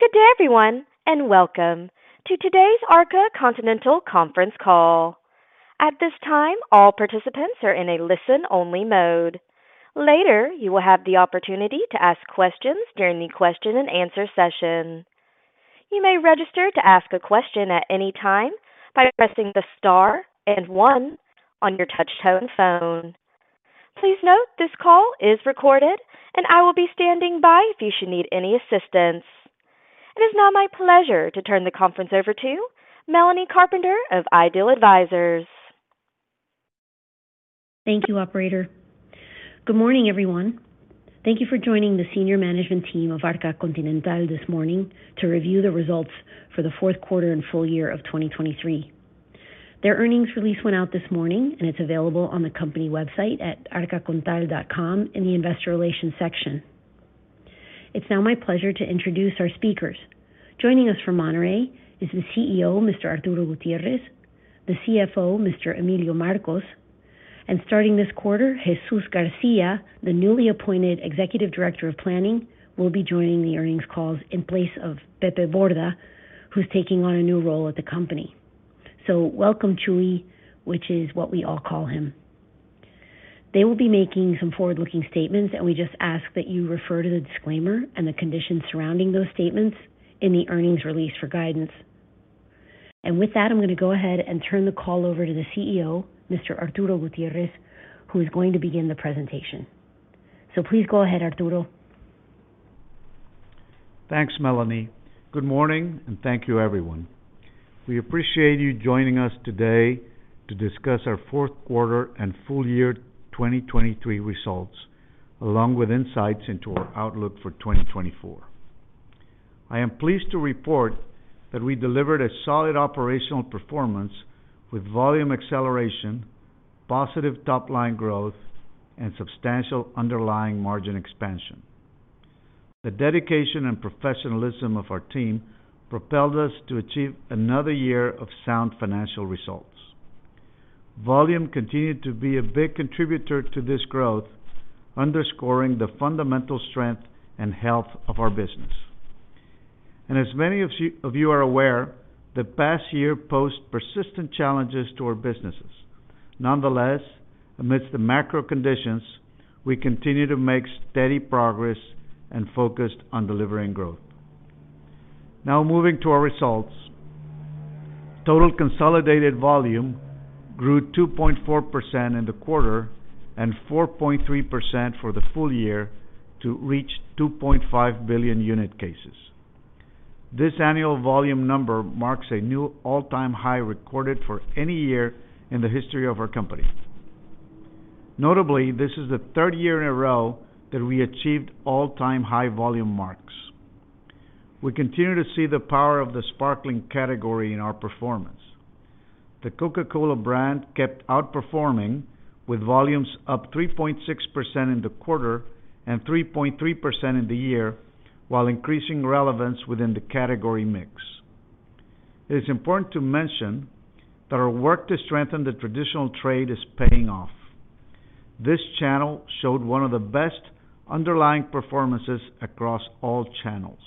Good day, everyone, and welcome to today's Arca Continental conference call. At this time, all participants are in a listen-only mode. Later, you will have the opportunity to ask questions during the question and answer session. You may register to ask a question at any time by pressing the Star and One on your touchtone phone. Please note, this call is recorded and I will be standing by if you should need any assistance. It is now my pleasure to turn the conference over to Melanie Carpenter of IDEAL Advisors. Thank you, operator. Good morning, everyone. Thank you for joining the senior management team of Arca Continental this morning to review the results for the 4Q and full year of 2023. Their earnings release went out this morning, and it's available on the company website at arcacontinental.com in the Investor Relations section. It's now my pleasure to introduce our speakers. Joining us from Monterrey is the CEO, Mr. Arturo Gutiérrez, the CFO, Mr. Emilio Marcos, and starting this quarter, Jesús García, the newly appointed Executive Director of Planning, will be joining the earnings calls in place of Pepe Borda, who's taking on a new role at the company. So welcome, Chuy, which is what we all call him. They will be making some forward-looking statements, and we just ask that you refer to the disclaimer and the conditions surrounding those statements in the earnings release for guidance. With that, I'm going to go ahead and turn the call over to the CEO, Mr. Arturo Gutiérrez, who is going to begin the presentation. Please go ahead, Arturo. Thanks, Melanie. Good morning, and thank you, everyone. We appreciate you joining us today to discuss our 4Q and full year 2023 results, along with insights into our outlook for 2024. I am pleased to report that we delivered a solid operational performance with volume acceleration, positive top-line growth, and substantial underlying margin expansion. The dedication and professionalism of our team propelled us to achieve another year of sound financial results. Volume continued to be a big contributor to this growth, underscoring the fundamental strength and health of our business. And as many of you are aware, the past year posed persistent challenges to our businesses. Nonetheless, amidst the macro conditions, we continued to make steady progress and focused on delivering growth. Now, moving to our results. Total consolidated volume grew 2.4% in the quarter and 4.3% for the full year to reach 2.5 billion unit cases. This annual volume number marks a new all-time high recorded for any year in the history of our company. Notably, this is the third year in a row that we achieved all-time high volume marks. We continue to see the power of the sparkling category in our performance. The Coca-Cola brand kept outperforming, with volumes up 3.6% in the quarter and 3.3% in the year, while increasing relevance within the category mix. It is important to mention that our work to strengthen the traditional trade is paying off. This channel showed one of the best underlying performances across all channels.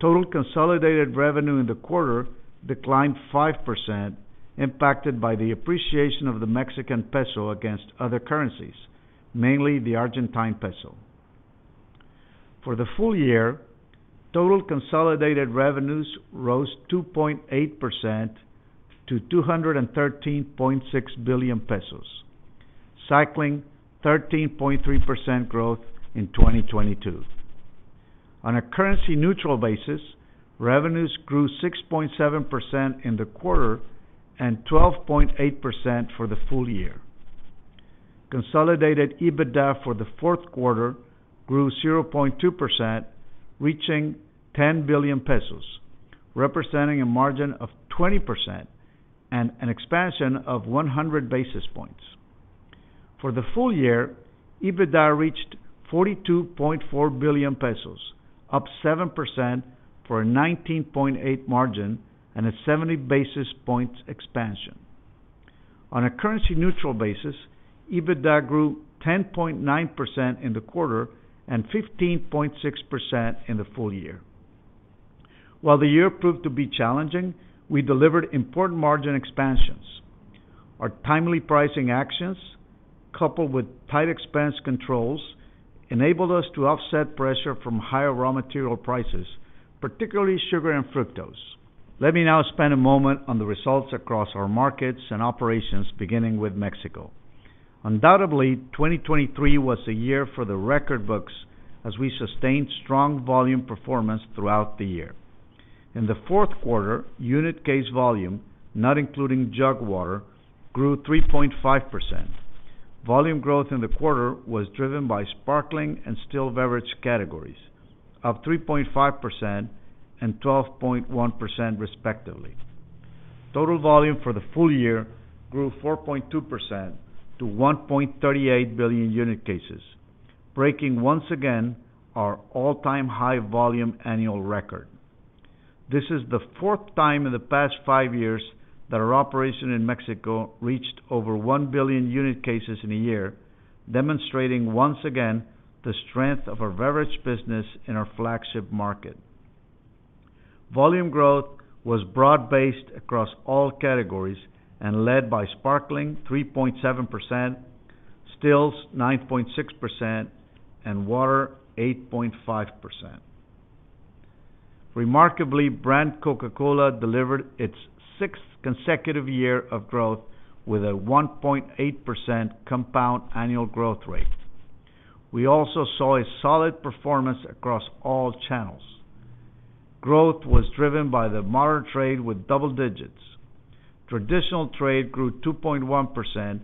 Total consolidated revenue in the quarter declined 5%, impacted by the appreciation of the Mexican peso against other currencies, mainly the Argentine peso. For the full year, total consolidated revenues rose 2.8% to MXN 213.6 billion, cycling 13.3% growth in 2022. On a currency-neutral basis, revenues grew 6.7% in the quarter and 12.8% for the full year. Consolidated EBITDA for the 4Q grew 0.2%, reaching 10 billion pesos, representing a margin of 20% and an expansion of 100 basis points. For the full year, EBITDA reached 42.4 billion pesos, up 7% for a 19.8% margin and a 70 basis points expansion. On a currency-neutral basis, EBITDA grew 10.9% in the quarter and 15.6% in the full year. While the year proved to be challenging, we delivered important margin expansions. Our timely pricing actions, coupled with tight expense controls, enabled us to offset pressure from higher raw material prices, particularly sugar and fructose. Let me now spend a moment on the results across our markets and operations, beginning with Mexico. Undoubtedly, 2023 was a year for the record books as we sustained strong volume performance throughout the year. In the 4Q, unit case volume, not including jug water, grew 3.5%. Volume growth in the quarter was driven by sparkling and still beverage categories, up 3.5% and 12.1%, respectively. Total volume for the full year grew 4.2% to 1.38 billion unit cases, breaking once again our all-time high volume annual record. This is the fourth time in the past five years that our operation in Mexico reached over 1 billion unit cases in a year, demonstrating once again, the strength of our beverage business in our flagship market. Volume growth was broad-based across all categories and led by sparkling, 3.7%, stills, 9.6%, and water, 8.5%. Remarkably, brand Coca-Cola delivered its sixth consecutive year of growth with a 1.8% compound annual growth rate. We also saw a solid performance across all channels. Growth was driven by the modern trade with double digits. Traditional trade grew 2.1%,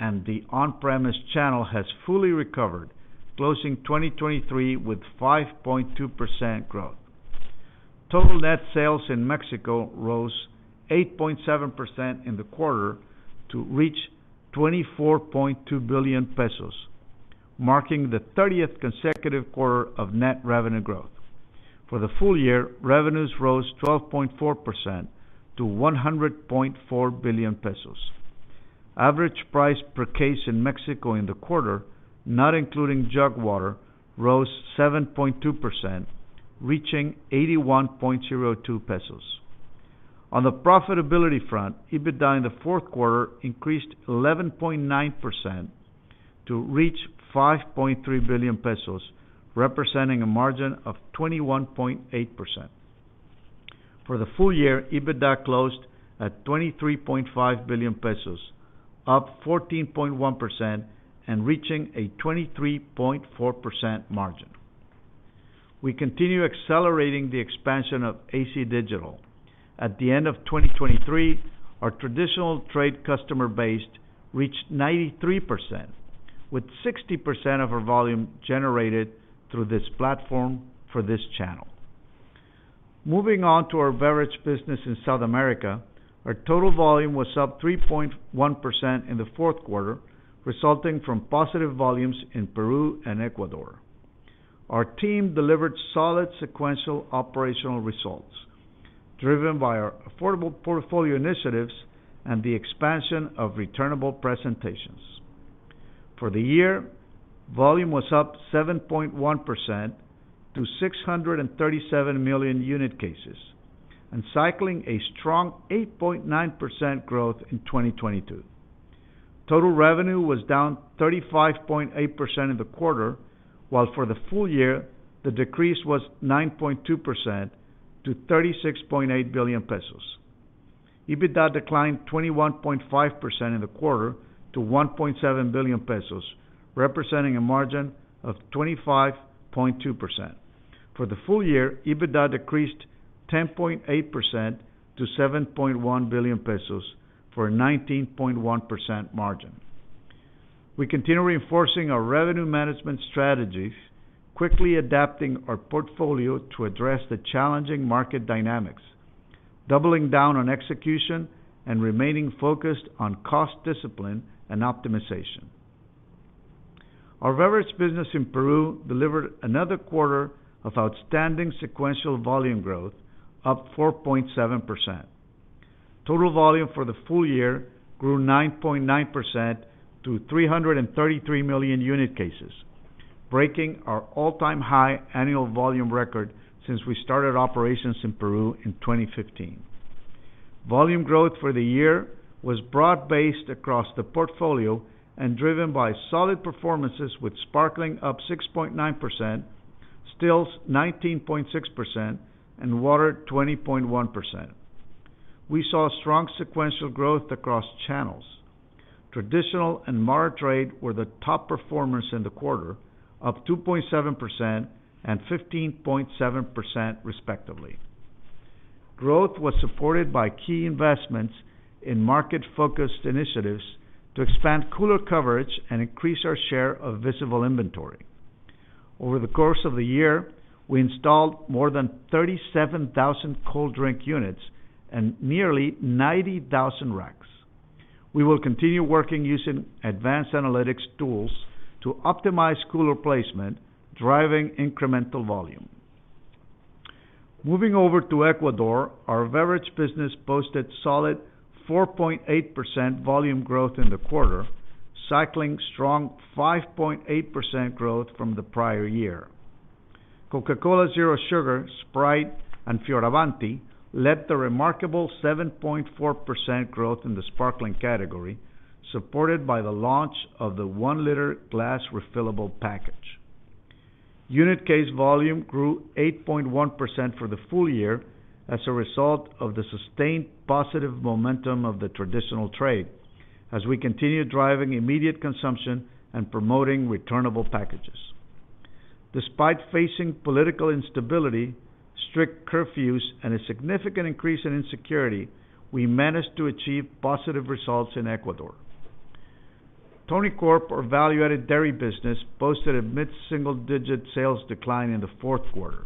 and the on-premise channel has fully recovered, closing 2023 with 5.2% growth. Total net sales in Mexico rose 8.7% in the quarter to reach 24.2 billion pesos, marking the 30th consecutive quarter of net revenue growth. For the full year, revenues rose 12.4% to 100.4 billion pesos. Average price per case in Mexico in the quarter, not including jug water, rose 7.2%, reaching 81.02 pesos. On the profitability front, EBITDA in the 4Q increased 11.9% to reach 5.3 billion pesos, representing a margin of 21.8%. For the full year, EBITDA closed at 23.5 billion pesos, up 14.1% and reaching a 23.4% margin. We continue accelerating the expansion of AC Digital. At the end of 2023, our traditional trade customer base reached 93%, with 60% of our volume generated through this platform for this channel. Moving on to our beverage business in South America, our total volume was up 3.1% in the 4Q, resulting from positive volumes in Peru and Ecuador. Our team delivered solid sequential operational results, driven by our affordable portfolio initiatives and the expansion of returnable presentations. For the year, volume was up 7.1% to 637 million unit cases, and cycling a strong 8.9% growth in 2022. Total revenue was down 35.8% in the quarter, while for the full year, the decrease was 9.2% to 36.8 billion pesos. EBITDA declined 21.5% in the quarter to 1.7 billion pesos, representing a margin of 25.2%. For the full year, EBITDA decreased 10.8% to 7.1 billion pesos for a 19.1% margin. We continue reinforcing our revenue management strategies, quickly adapting our portfolio to address the challenging market dynamics, doubling down on execution, and remaining focused on cost discipline and optimization. Our beverage business in Peru delivered another quarter of outstanding sequential volume growth, up 4.7%. Total volume for the full year grew 9.9% to 333 million unit cases, breaking our all-time high annual volume record since we started operations in Peru in 2015. Volume growth for the year was broad-based across the portfolio and driven by solid performances, with sparkling up 6.9%, stills, 19.6%, and water, 20.1%. We saw strong sequential growth across channels. Traditional and modern trade were the top performers in the quarter, up 2.7% and 15.7%, respectively. Growth was supported by key investments in market-focused initiatives to expand cooler coverage and increase our share of visible inventory. Over the course of the year, we installed more than 37,000 cold drink units and nearly 90,000 racks. We will continue working using advanced analytics tools to optimize cooler placement, driving incremental volume. Moving over to Ecuador, our beverage business posted solid 4.8% volume growth in the quarter, cycling strong 5.8% growth from the prior year. Coca-Cola Zero Sugar, Sprite, and Fioravanti led the remarkable 7.4% growth in the sparkling category, supported by the launch of the 1-liter glass refillable package. Unit case volume grew 8.1% for the full year as a result of the sustained positive momentum of the traditional trade, as we continue driving immediate consumption and promoting returnable packages. Despite facing political instability, strict curfews, and a significant increase in insecurity, we managed to achieve positive results in Ecuador. Tonicorp, our value-added dairy business, posted a mid-single-digit sales decline in the 4Q.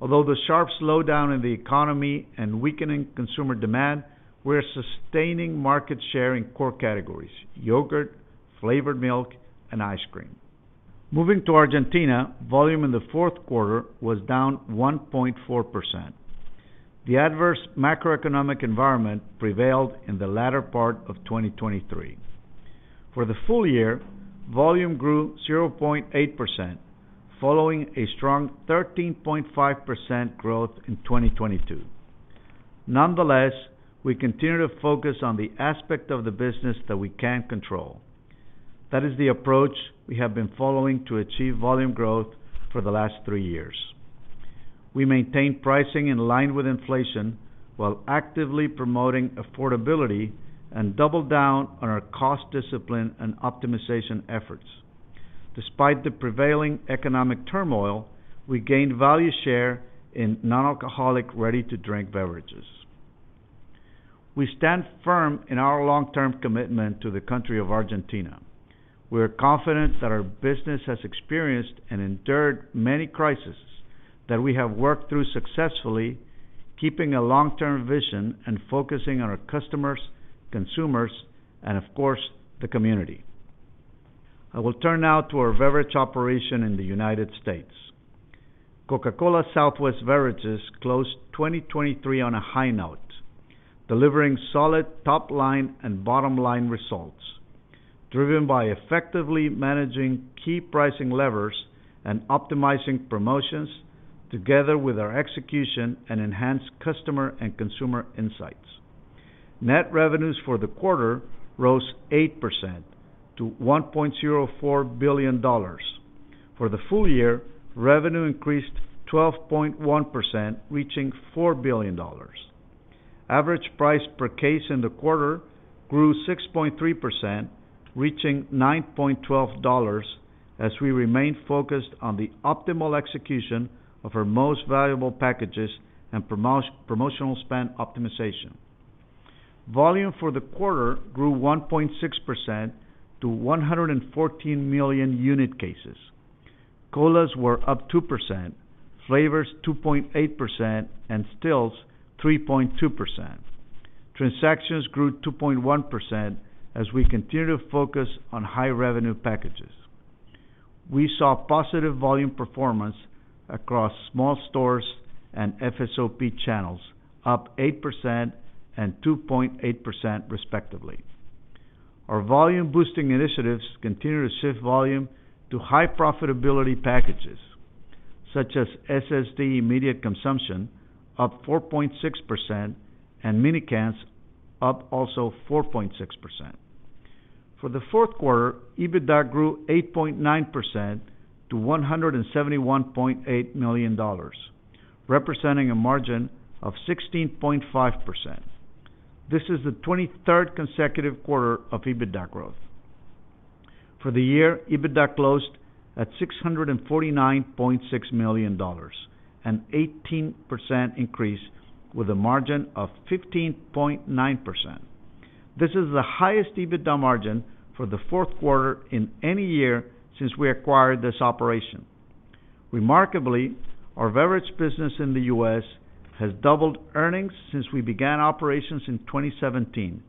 Although the sharp slowdown in the economy and weakening consumer demand, we're sustaining market share in core categories: yogurt, flavored milk, and ice cream.... Moving to Argentina, volume in the 4Q was down 1.4%. The adverse macroeconomic environment prevailed in the latter part of 2023. For the full year, volume grew 0.8%, following a strong 13.5% growth in 2022. Nonetheless, we continue to focus on the aspect of the business that we can control. That is the approach we have been following to achieve volume growth for the last three years. We maintained pricing in line with inflation, while actively promoting affordability and doubled down on our cost discipline and optimization efforts. Despite the prevailing economic turmoil, we gained value share in non-alcoholic, ready-to-drink beverages. We stand firm in our long-term commitment to the country of Argentina. We are confident that our business has experienced and endured many crises that we have worked through successfully, keeping a long-term vision and focusing on our customers, consumers, and of course, the community. I will turn now to our beverage operation in the United States. Coca-Cola Southwest Beverages closed 2023 on a high note, delivering solid top line and bottom line results, driven by effectively managing key pricing levers and optimizing promotions together with our execution and enhanced customer and consumer insights. Net revenues for the quarter rose 8% to $1.04 billion. For the full year, revenue increased 12.1%, reaching $4 billion. Average price per case in the quarter grew 6.3%, reaching $9.12, as we remained focused on the optimal execution of our most valuable packages and promotional spend optimization. Volume for the quarter grew 1.6% to 114 million unit cases. Colas were up 2%, flavors 2.8%, and stills 3.2%. Transactions grew 2.1% as we continue to focus on high-revenue packages. We saw positive volume performance across small stores and FSOP channels, up 8% and 2.8%, respectively. Our volume-boosting initiatives continue to shift volume to high profitability packages, such as SSD immediate consumption, up 4.6%, and mini cans, up also 4.6%. For the 4Q, EBITDA grew 8.9% to $171.8 million, representing a margin of 16.5%. This is the 23rd consecutive quarter of EBITDA growth. For the year, EBITDA closed at $649.6 million, an 18% increase with a margin of 15.9%. This is the highest EBITDA margin for the 4Q in any year since we acquired this operation. Remarkably, our beverage business in the U.S. has doubled earnings since we began operations in 2017,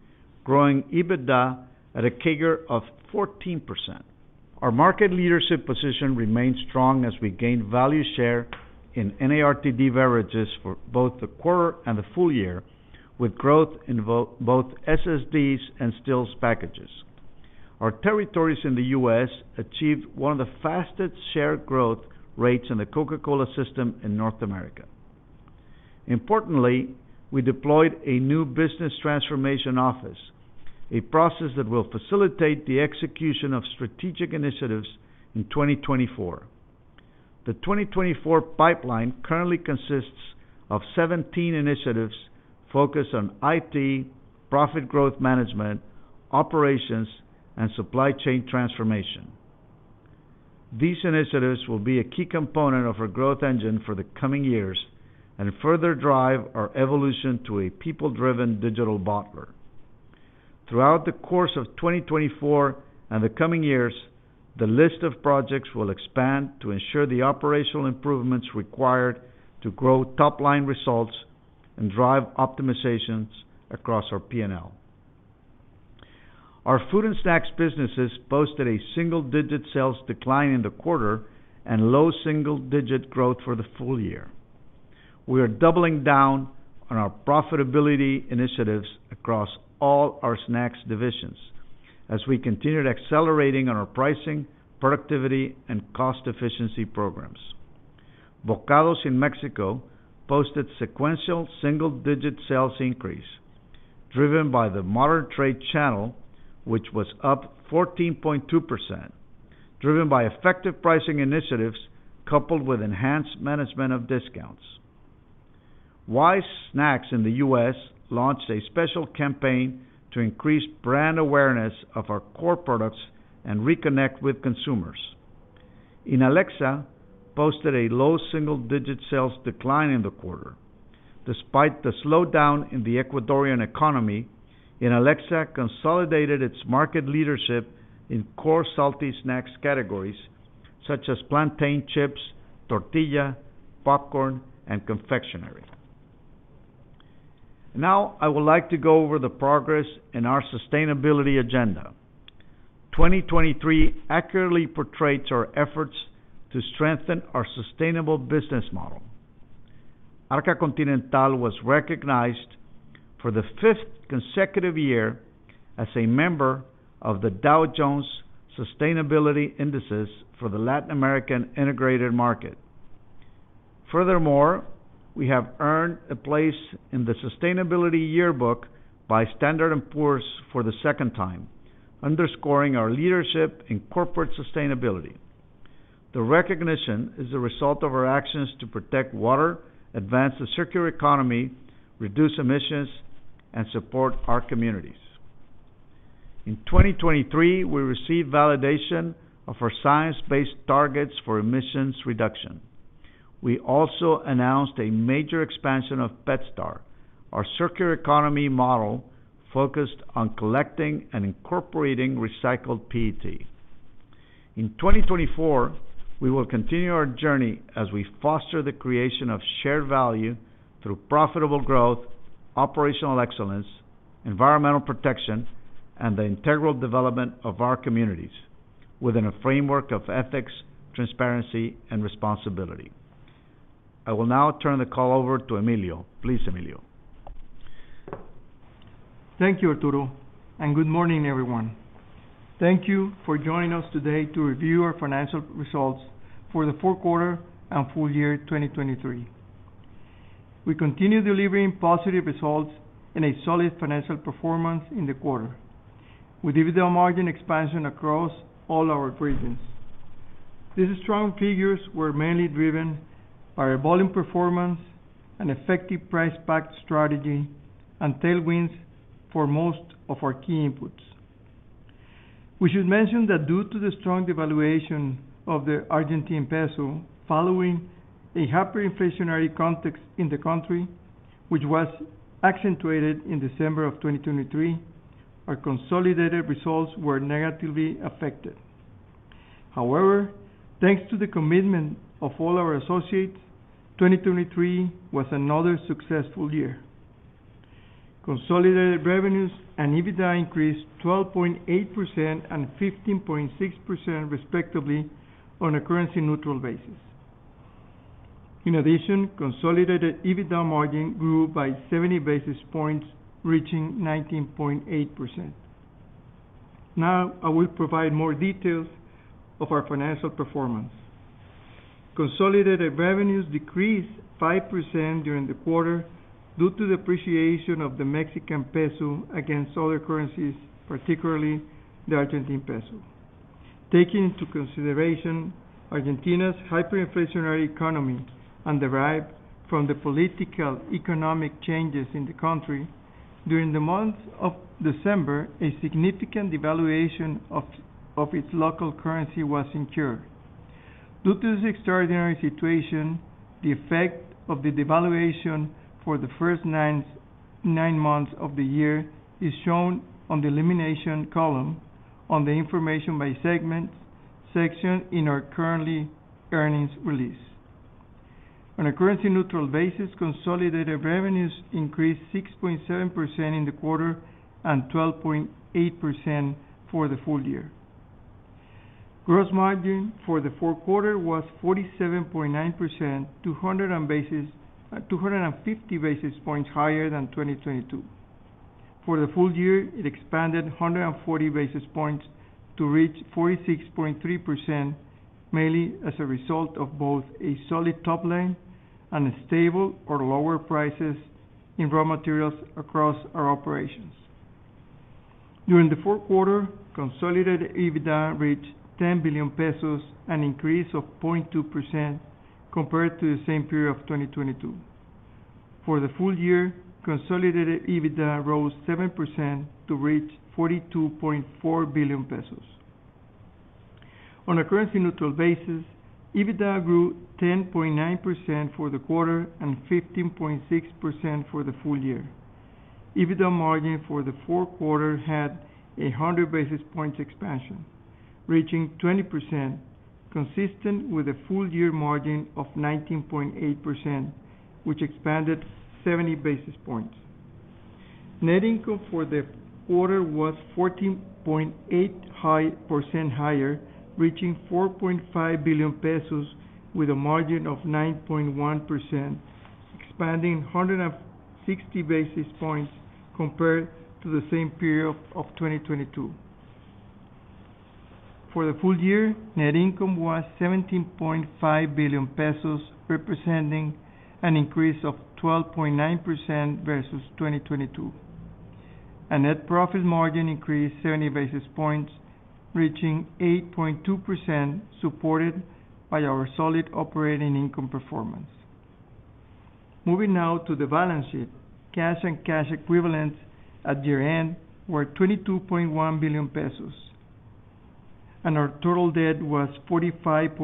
growing EBITDA at a CAGR of 14%. Our market leadership position remains strong as we gain value share in NARTD beverages for both the quarter and the full year, with growth in both SSDs and stills packages. Our territories in the U.S. achieved one of the fastest share growth rates in the Coca-Cola system in North America. Importantly, we deployed a new business transformation office, a process that will facilitate the execution of strategic initiatives in 2024. The 2024 pipeline currently consists of 17 initiatives focused on IT, profit growth management, operations, and supply chain transformation. These initiatives will be a key component of our growth engine for the coming years and further drive our evolution to a people-driven digital bottler. Throughout the course of 2024 and the coming years, the list of projects will expand to ensure the operational improvements required to grow top-line results and drive optimizations across our P&L. Our food and snacks businesses posted a single-digit sales decline in the quarter and low single-digit growth for the full year. We are doubling down on our profitability initiatives across all our snacks divisions as we continued accelerating on our pricing, productivity, and cost efficiency programs. Bokados in Mexico posted sequential single-digit sales increase, driven by the modern trade channel, which was up 14.2%, driven by effective pricing initiatives, coupled with enhanced management of discounts. Wise Snacks in the U.S. launched a special campaign to increase brand awareness of our core products and reconnect with consumers. Inalecsa posted a low single-digit sales decline in the quarter. Despite the slowdown in the Ecuadorian economy, Inalecsa consolidated its market leadership in core salty snacks categories such as plantain chips, tortilla, popcorn, and confectionery.... Now, I would like to go over the progress in our sustainability agenda. 2023 accurately portrays our efforts to strengthen our sustainable business model. Arca Continental was recognized for the fifth consecutive year as a member of the Dow Jones Sustainability Indices for the Latin American integrated market. Furthermore, we have earned a place in the Sustainability Yearbook by Standard & Poor's for the second time, underscoring our leadership in corporate sustainability. The recognition is the result of our actions to protect water, advance the circular economy, reduce emissions, and support our communities. In 2023, we received validation of our science-based targets for emissions reduction. We also announced a major expansion of PetStar, our circular economy model focused on collecting and incorporating recycled PET. In 2024, we will continue our journey as we foster the creation of shared value through profitable growth, operational excellence, environmental protection, and the integral development of our communities within a framework of ethics, transparency, and responsibility. I will now turn the call over to Emilio. Please, Emilio. Thank you, Arturo, and good morning, everyone. Thank you for joining us today to review our financial results for the 4Q and full year 2023. We continue delivering positive results and a solid financial performance in the quarter, with EBITDA margin expansion across all our regions. These strong figures were mainly driven by our volume performance and effective price pack strategy and tailwinds for most of our key inputs. We should mention that due to the strong devaluation of the Argentine peso following a hyperinflationary context in the country, which was accentuated in December 2023, our consolidated results were negatively affected. However, thanks to the commitment of all our associates, 2023 was another successful year. Consolidated revenues and EBITDA increased 12.8% and 15.6%, respectively, on a currency-neutral basis. In addition, consolidated EBITDA margin grew by 70 basis points, reaching 19.8%. Now, I will provide more details of our financial performance. Consolidated revenues decreased 5% during the quarter due to the appreciation of the Mexican peso against other currencies, particularly the Argentine peso. Taking into consideration Argentina's hyperinflationary economy and derived from the political economic changes in the country, during the month of December, a significant devaluation of its local currency was incurred. Due to this extraordinary situation, the effect of the devaluation for the first nine months of the year is shown on the elimination column on the Information by Segments section in our current earnings release. On a currency-neutral basis, consolidated revenues increased 6.7% in the quarter and 12.8% for the full year. Gross margin for the 4Q was 47.9%, 250 basis points higher than 2022. For the full year, it expanded 140 basis points to reach 46.3%, mainly as a result of both a solid top line and a stable or lower prices in raw materials across our operations. During the 4Q, consolidated EBITDA reached 10 billion pesos, an increase of 0.2% compared to the same period of 2022. For the full year, consolidated EBITDA rose 7% to reach 42.4 billion pesos. On a currency-neutral basis, EBITDA grew 10.9% for the quarter and 15.6% for the full year. EBITDA margin for the 4Q had 100 basis points expansion, reaching 20%, consistent with a full year margin of 19.8%, which expanded 70 basis points. Net income for the quarter was 14.8% higher, reaching 4.5 billion pesos with a margin of 9.1%, expanding 160 basis points compared to the same period of 2022. For the full year, net income was 17.5 billion pesos, representing an increase of 12.9% versus 2022. Net profit margin increased 70 basis points, reaching 8.2%, supported by our solid operating income performance. Moving now to the balance sheet. Cash and cash equivalents at year-end were 22.1 billion pesos, and our total debt was 45.2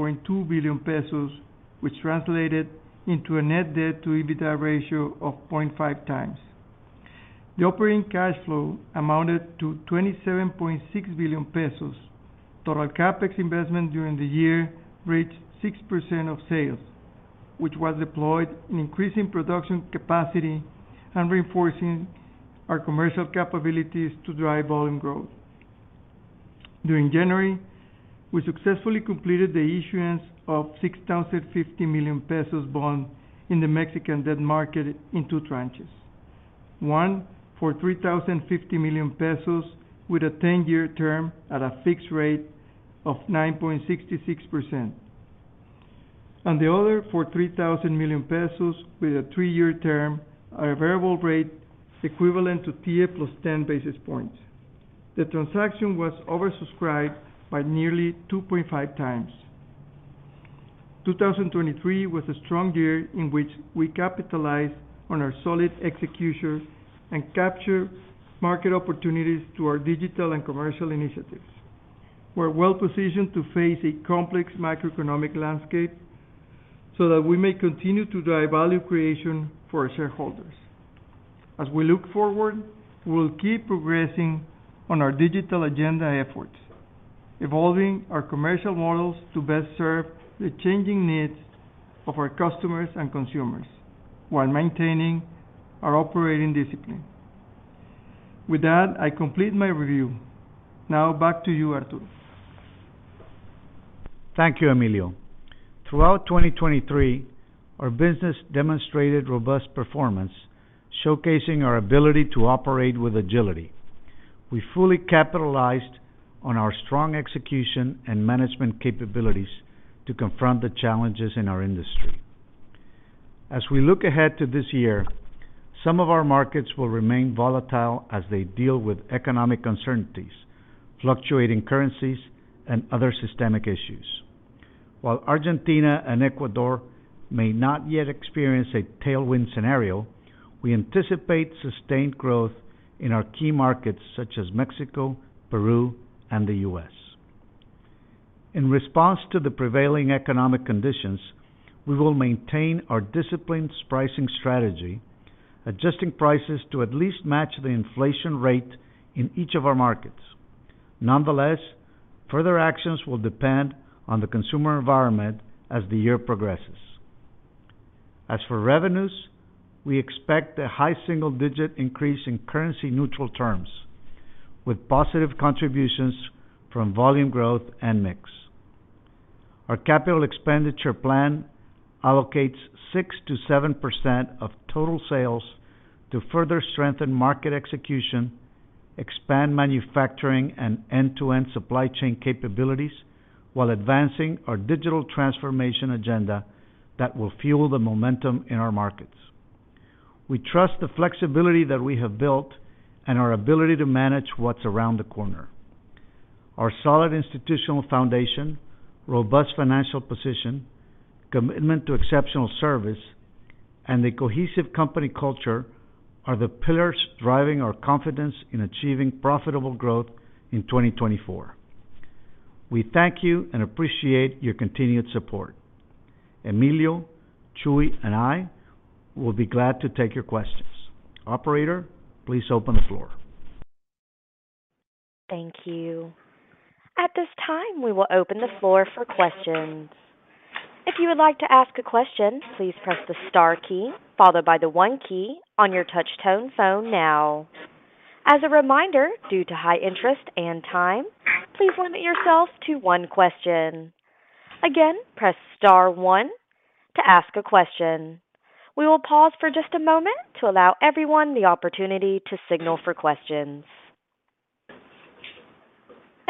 billion pesos, which translated into a net debt to EBITDA ratio of 0.5 times. The operating cash flow amounted to 27.6 billion pesos. Total CapEx investment during the year reached 6% of sales, which was deployed in increasing production capacity and reinforcing our commercial capabilities to drive volume growth. During January, we successfully completed the issuance of 6,050 million pesos bond in the Mexican debt market in two tranches. One for 3,050 million pesos with a 10-year term at a fixed rate of 9.66%, and the other for 3,000 million pesos with a 3-year term at a variable rate equivalent to TIIE plus 10 basis points. The transaction was oversubscribed by nearly 2.5 times. 2023 was a strong year in which we capitalized on our solid execution and captured market opportunities through our digital and commercial initiatives. We're well-positioned to face a complex macroeconomic landscape so that we may continue to drive value creation for our shareholders. As we look forward, we will keep progressing on our digital agenda efforts, evolving our commercial models to best serve the changing needs of our customers and consumers, while maintaining our operating discipline. With that, I complete my review. Now, back to you, Arturo. Thank you, Emilio. Throughout 2023, our business demonstrated robust performance, showcasing our ability to operate with agility. We fully capitalized on our strong execution and management capabilities to confront the challenges in our industry. As we look ahead to this year, some of our markets will remain volatile as they deal with economic uncertainties, fluctuating currencies, and other systemic issues. While Argentina and Peru may not yet experience a tailwind scenario, we anticipate sustained growth in our key markets such as Mexico, Peru, and the U.S.. In response to the prevailing economic conditions, we will maintain our disciplined pricing strategy, adjusting prices to at least match the inflation rate in each of our markets. Nonetheless, further actions will depend on the consumer environment as the year progresses. As for revenues, we expect a high single-digit increase in currency neutral terms, with positive contributions from volume growth and mix. Our capital expenditure plan allocates 6%-7% of total sales to further strengthen market execution, expand manufacturing and end-to-end supply chain capabilities, while advancing our digital transformation agenda that will fuel the momentum in our markets. We trust the flexibility that we have built and our ability to manage what's around the corner. Our solid institutional foundation, robust financial position, commitment to exceptional service, and the cohesive company culture are the pillars driving our confidence in achieving profitable growth in 2024. We thank you and appreciate your continued support. Emilio, Chuy, and I will be glad to take your questions. Operator, please open the floor. Thank you. At this time, we will open the floor for questions. If you would like to ask a question, please press the star key followed by the one key on your touch tone phone now. As a reminder, due to high interest and time, please limit yourself to one question. Again, press star one to ask a question. We will pause for just a moment to allow everyone the opportunity to signal for questions.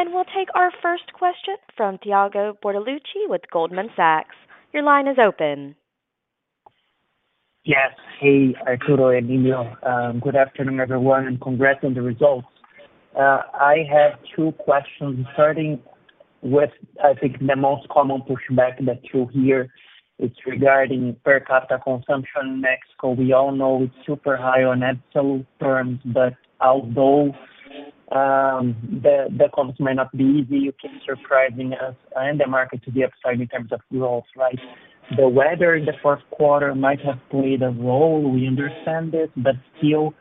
We'll take our first question from Thiago Bortoluci with Goldman Sachs. Your line is open. Yes. Hey, Arturo and Emilio. Good afternoon, everyone, and congrats on the results. I have two questions starting with, I think, the most common pushback that you hear. It's regarding per capita consumption in Mexico. We all know it's super high on absolute terms, but although the comps may not be easy, you keep surprising us and the market to the upside in terms of growth, right? The weather in the 4Q might have played a role; we understand this, but still,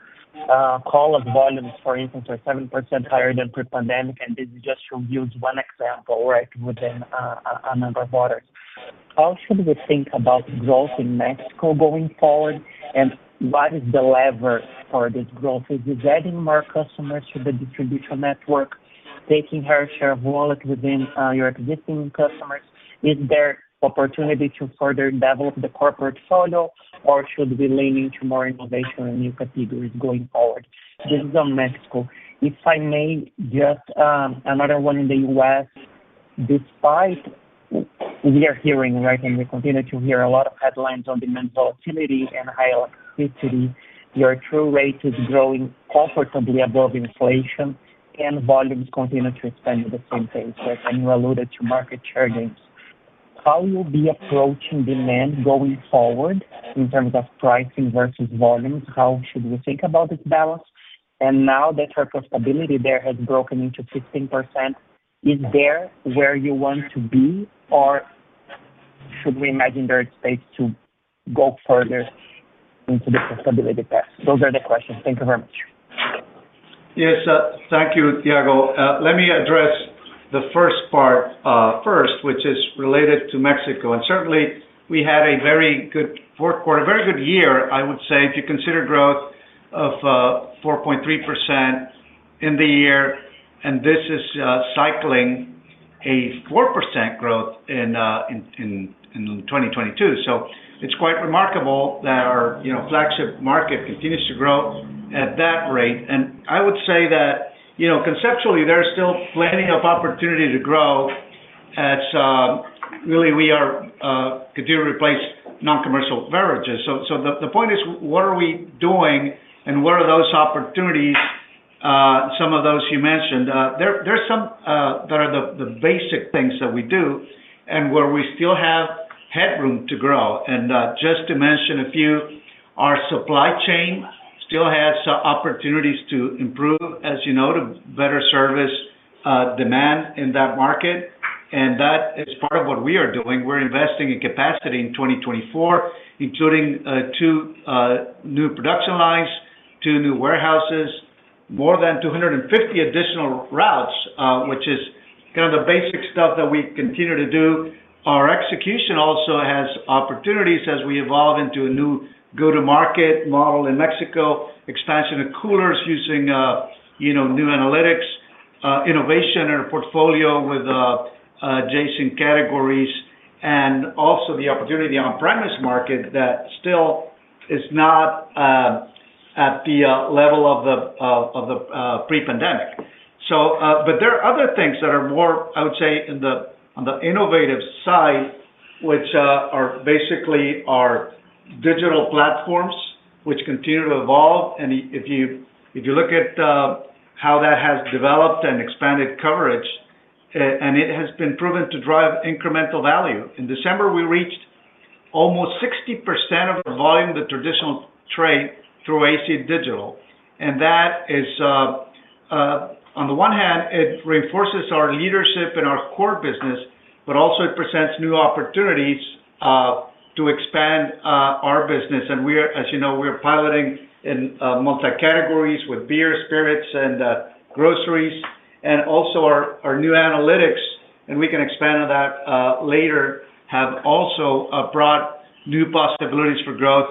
core volumes, for instance, are 7% higher than pre-pandemic, and this is just to use one example, right, within a number of quarters. How should we think about growth in Mexico going forward, and what is the lever for this growth? Is it adding more customers to the distribution network, taking her share of wallet within your existing customers? Is there opportunity to further develop the corporate portfolio, or should we lean into more innovation and new categories going forward? This is on Mexico. If I may, just another one in the U.S. Despite we are hearing, right, and we continue to hear a lot of headlines on demand volatility and high electricity, your true rate is growing comfortably above inflation and volumes continue to expand at the same pace, right? And you alluded to market share gains. How will you be approaching demand going forward in terms of pricing versus volumes? How should we think about this balance? And now that your profitability there has broken into 15%, is there where you want to be, or-... Should we imagine there is space to go further into the sustainability path? Those are the questions. Thank you very much. Yes, thank you, Thiago. Let me address the first part first, which is related to Mexico. Certainly, we had a very good 4Q, a very good year, I would say, if you consider growth of 4.3% in the year, and this is cycling a 4% growth in 2022. So it's quite remarkable that our, you know, flagship market continues to grow at that rate. And I would say that, you know, conceptually, there's still plenty of opportunity to grow as really we continue to replace non-commercial beverages. So the point is, what are we doing and what are those opportunities, some of those you mentioned? There are some that are the basic things that we do and where we still have headroom to grow. Just to mention a few, our supply chain still has some opportunities to improve, as you know, to better service demand in that market, and that is part of what we are doing. We're investing in capacity in 2024, including two new production lines, two new warehouses, more than 250 additional routes, which is kind of the basic stuff that we continue to do. Our execution also has opportunities as we evolve into a new go-to-market model in Mexico, expansion of coolers using, you know, new analytics, innovation in our portfolio with adjacent categories, and also the opportunity on-premise market that still is not at the level of the pre-pandemic. But there are other things that are more, I would say, on the innovative side, which are basically our digital platforms, which continue to evolve. And if you look at how that has developed and expanded coverage, and it has been proven to drive incremental value. In December, we reached almost 60% of the volume, the traditional trade through AC Digital. And that is, on the one hand, it reinforces our leadership in our core business, but also it presents new opportunities to expand our business. And we are, as you know, we are piloting in multi-categories with beer, spirits, and groceries, and also our new analytics, and we can expand on that later, have also brought new possibilities for growth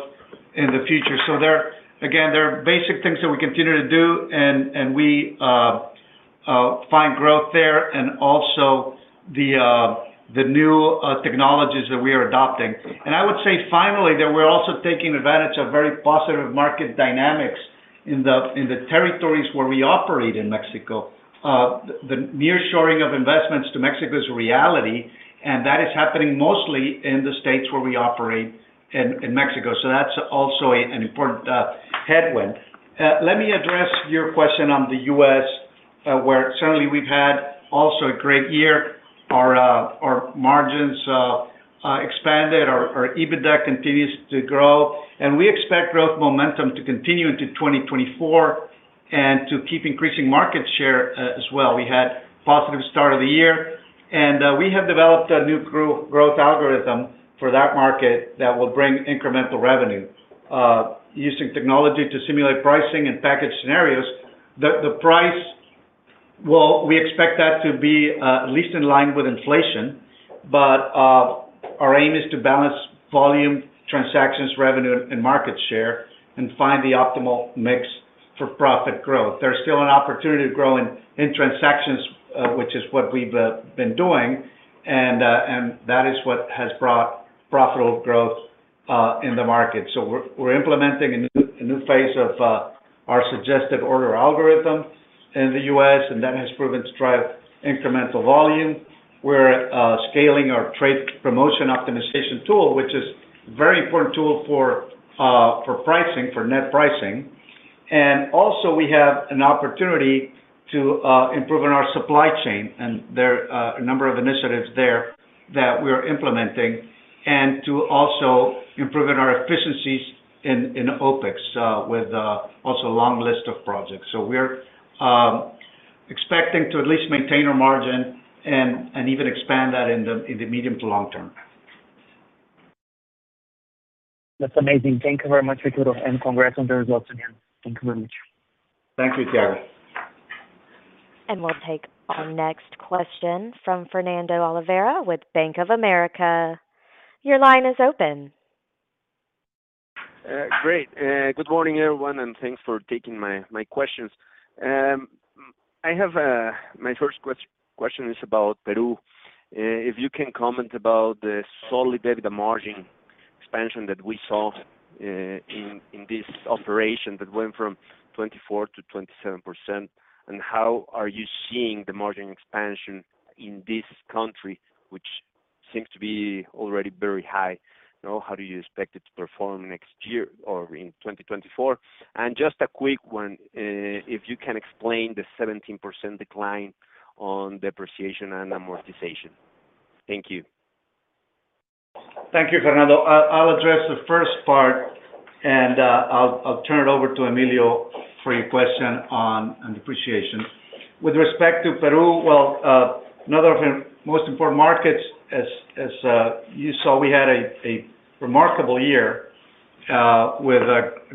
in the future. So there, again, there are basic things that we continue to do, and we find growth there and also the new technologies that we are adopting. And I would say finally, that we're also taking advantage of very positive market dynamics in the territories where we operate in Mexico. The nearshoring of investments to Mexico is a reality, and that is happening mostly in the states where we operate in Mexico. So that's also an important headwind. Let me address your question on the U.S., where certainly we've had also a great year. Our margins expanded, our EBITDA continues to grow, and we expect growth momentum to continue into 2024 and to keep increasing market share, as well. We had a positive start of the year, and we have developed a new growth algorithm for that market that will bring incremental revenue, using technology to simulate pricing and package scenarios. The price, well, we expect that to be at least in line with inflation, but our aim is to balance volume, transactions, revenue, and market share and find the optimal mix for profit growth. There's still an opportunity to grow in transactions, which is what we've been doing, and that is what has brought profitable growth in the market. So we're implementing a new phase of our suggested order algorithm in the U.S., and that has proven to drive incremental volume. We're scaling our trade promotion optimization tool, which is a very important tool for pricing, for net pricing. And also, we have an opportunity to improve on our supply chain, and there are a number of initiatives there that we are implementing, and to also improve on our efficiencies in OPEX, with also a long list of projects. So we're expecting to at least maintain our margin and even expand that in the medium to long term. That's amazing. Thank you very much, Ricardo, and congrats on the results again. Thank you very much. Thank you, Thiago. We'll take our next question from Fernando Olvera with Bank of America. Your line is open. Great. Good morning, everyone, and thanks for taking my questions. I have my first question is about Peru. If you can comment about the solidarity, the margin expansion that we saw in this operation that went from 24%-27%, and how are you seeing the margin expansion in this country, which seems to be already very high? You know, how do you expect it to perform next year or in 2024? And just a quick one, if you can explain the 17% decline on depreciation and amortization. Thank you. Thank you, Fernando. I'll address the first part. I'll turn it over to Emilio for your question on depreciation. With respect to Peru, well, another of our most important markets, as you saw, we had a remarkable year with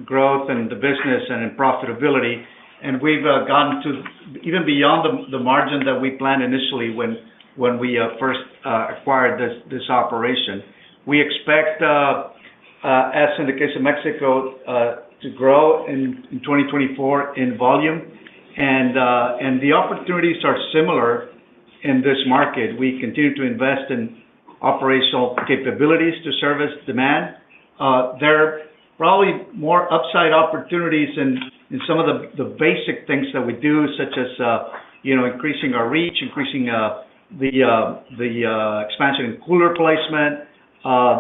growth in the business and in profitability, and we've gone to even beyond the margin that we planned initially when we first acquired this operation. We expect, as in the case of Mexico, to grow in 2024 in volume, and the opportunities are similar in this market. We continue to invest in operational capabilities to service demand. There are probably more upside opportunities in some of the basic things that we do, such as, you know, increasing our reach, increasing the expansion in cooler placement,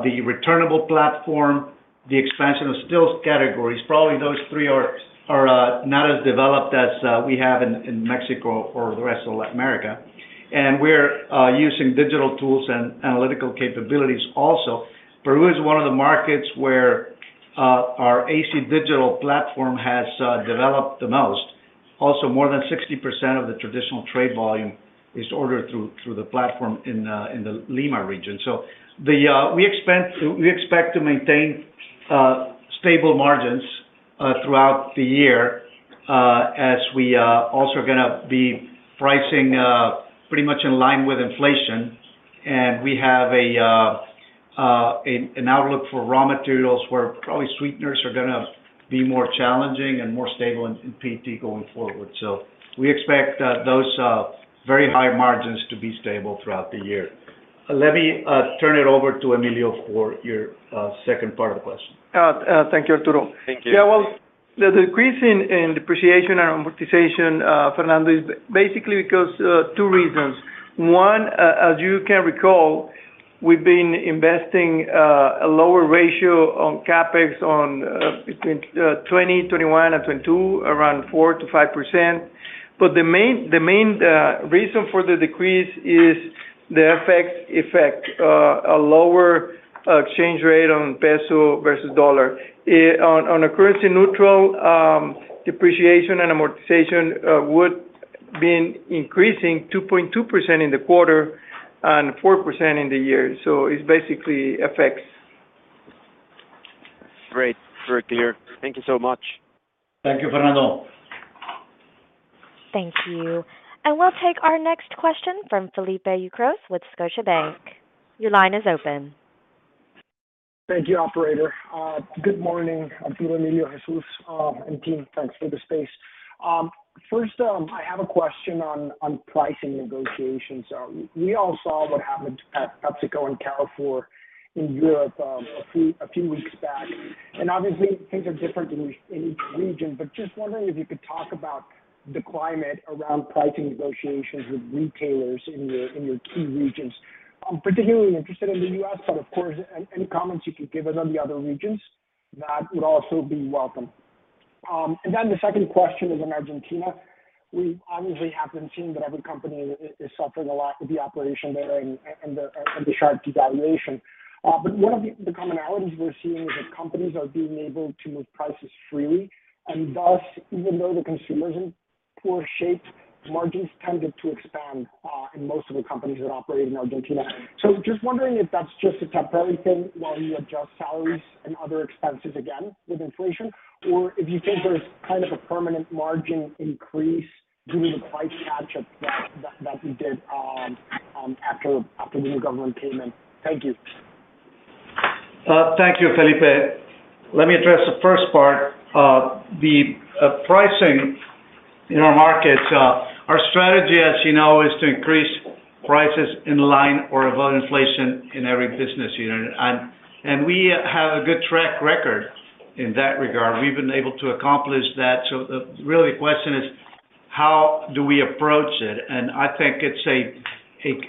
the returnable platform, the expansion of stills categories. Probably, those three are not as developed as we have in Mexico or the rest of Latin America. And we're using digital tools and analytical capabilities also. Peru is one of the markets where our AC Digital platform has developed the most. Also, more than 60% of the traditional trade volume is ordered through the platform in the Lima region. So we expect to maintain stable margins throughout the year, as we are also gonna be pricing pretty much in line with inflation, and we have an outlook for raw materials where probably sweeteners are gonna be more challenging and more stable in PET going forward. So we expect those very high margins to be stable throughout the year. Let me turn it over to Emilio for your second part of the question. Thank you, Arturo. Thank you. Yeah, well, the decrease in depreciation and amortization, Fernando, is basically because two reasons. One, as you can recall, we've been investing a lower ratio on CapEx between 2021 and 2022, around 4%-5%. But the main reason for the decrease is the effect of a lower exchange rate on peso versus dollar. On a currency-neutral basis, depreciation and amortization would been increasing 2.2% in the quarter and 4% in the year. So it's basically effects. Great. Very clear. Thank you so much. Thank you, Fernando. Thank you. We'll take our next question from Felipe Ucros with Scotia Bank. Your line is open. Thank you, operator. Good morning, Arturo, Emilio, Jesús, and team. Thanks for the space. First, I have a question on pricing negotiations. We all saw what happened at PepsiCo and Carrefour in Europe, a few weeks back, and obviously, things are different in each region. But just wondering if you could talk about the climate around pricing negotiations with retailers in your key regions. I'm particularly interested in the US, but of course, any comments you could give us on the other regions, that would also be welcome. And then the second question is on Argentina. We obviously have been seeing that every company is suffering a lot with the operation there and the sharp devaluation. But one of the commonalities we're seeing is that companies are being able to move prices freely, and thus, even though the consumer is in poor shape, margins tended to expand in most of the companies that operate in Argentina. So just wondering if that's just a temporary thing while you adjust salaries and other expenses, again, with inflation, or if you think there's kind of a permanent margin increase due to the price catch-up that we did after the new government came in. Thank you. Thank you, Felipe. Let me address the first part. The pricing in our markets, our strategy, as you know, is to increase prices in line or above inflation in every business unit. We have a good track record in that regard. We've been able to accomplish that. Really, the question is: How do we approach it? I think it's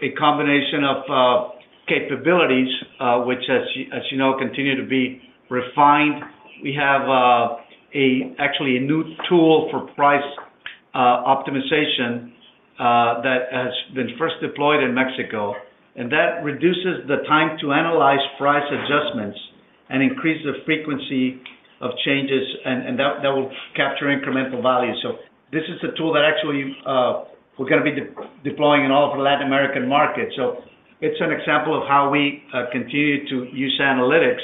a combination of capabilities, which, as you know, continue to be refined. We have actually a new tool for price optimization that has been first deployed in Mexico, and that reduces the time to analyze price adjustments and increase the frequency of changes, and that will capture incremental value. So this is a tool that actually we're gonna be deploying in all of the Latin American markets. So it's an example of how we continue to use analytics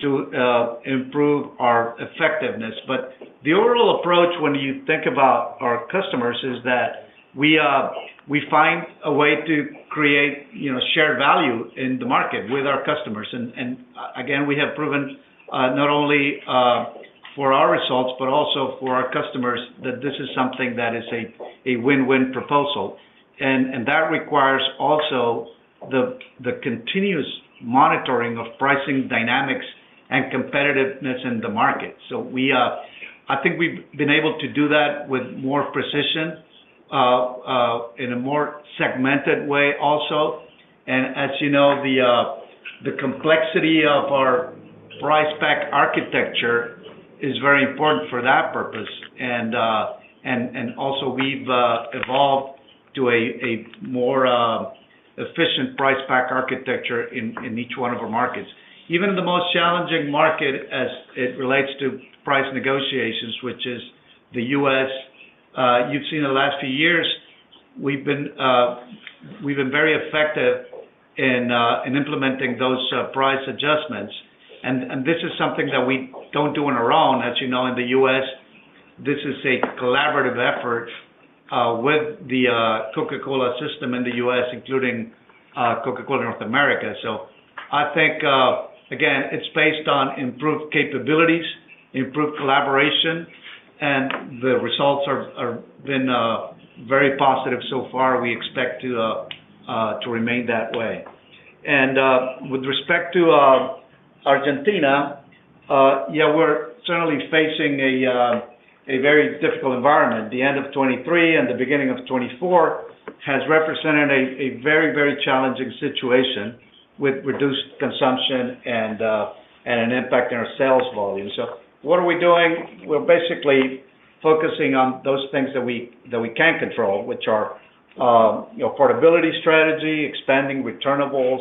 to improve our effectiveness. But the overall approach when you think about our customers is that we we find a way to create, you know, shared value in the market with our customers. And again, we have proven, not only for our results, but also for our customers, that this is something that is a win-win proposal. And that requires also the continuous monitoring of pricing dynamics and competitiveness in the market. So we I think we've been able to do that with more precision in a more segmented way also. And as you know, the complexity of our price pack architecture is very important for that purpose. And also we've evolved to a more efficient price pack architecture in each one of our markets. Even in the most challenging market as it relates to price negotiations, which is the U.S., you've seen in the last few years, we've been very effective in implementing those price adjustments. And this is something that we don't do on our own. As you know, in the U.S., this is a collaborative effort with the Coca-Cola system in the U.S., including Coca-Cola North America. So I think again, it's based on improved capabilities, improved collaboration, and the results have been very positive so far. We expect to remain that way. And with respect to Argentina, yeah, we're certainly facing a very difficult environment. The end of 2023 and the beginning of 2024 has represented a very, very challenging situation with reduced consumption and an impact in our sales volume. So what are we doing? We're basically focusing on those things that we can control, which are, you know, profitability strategy, expanding returnables,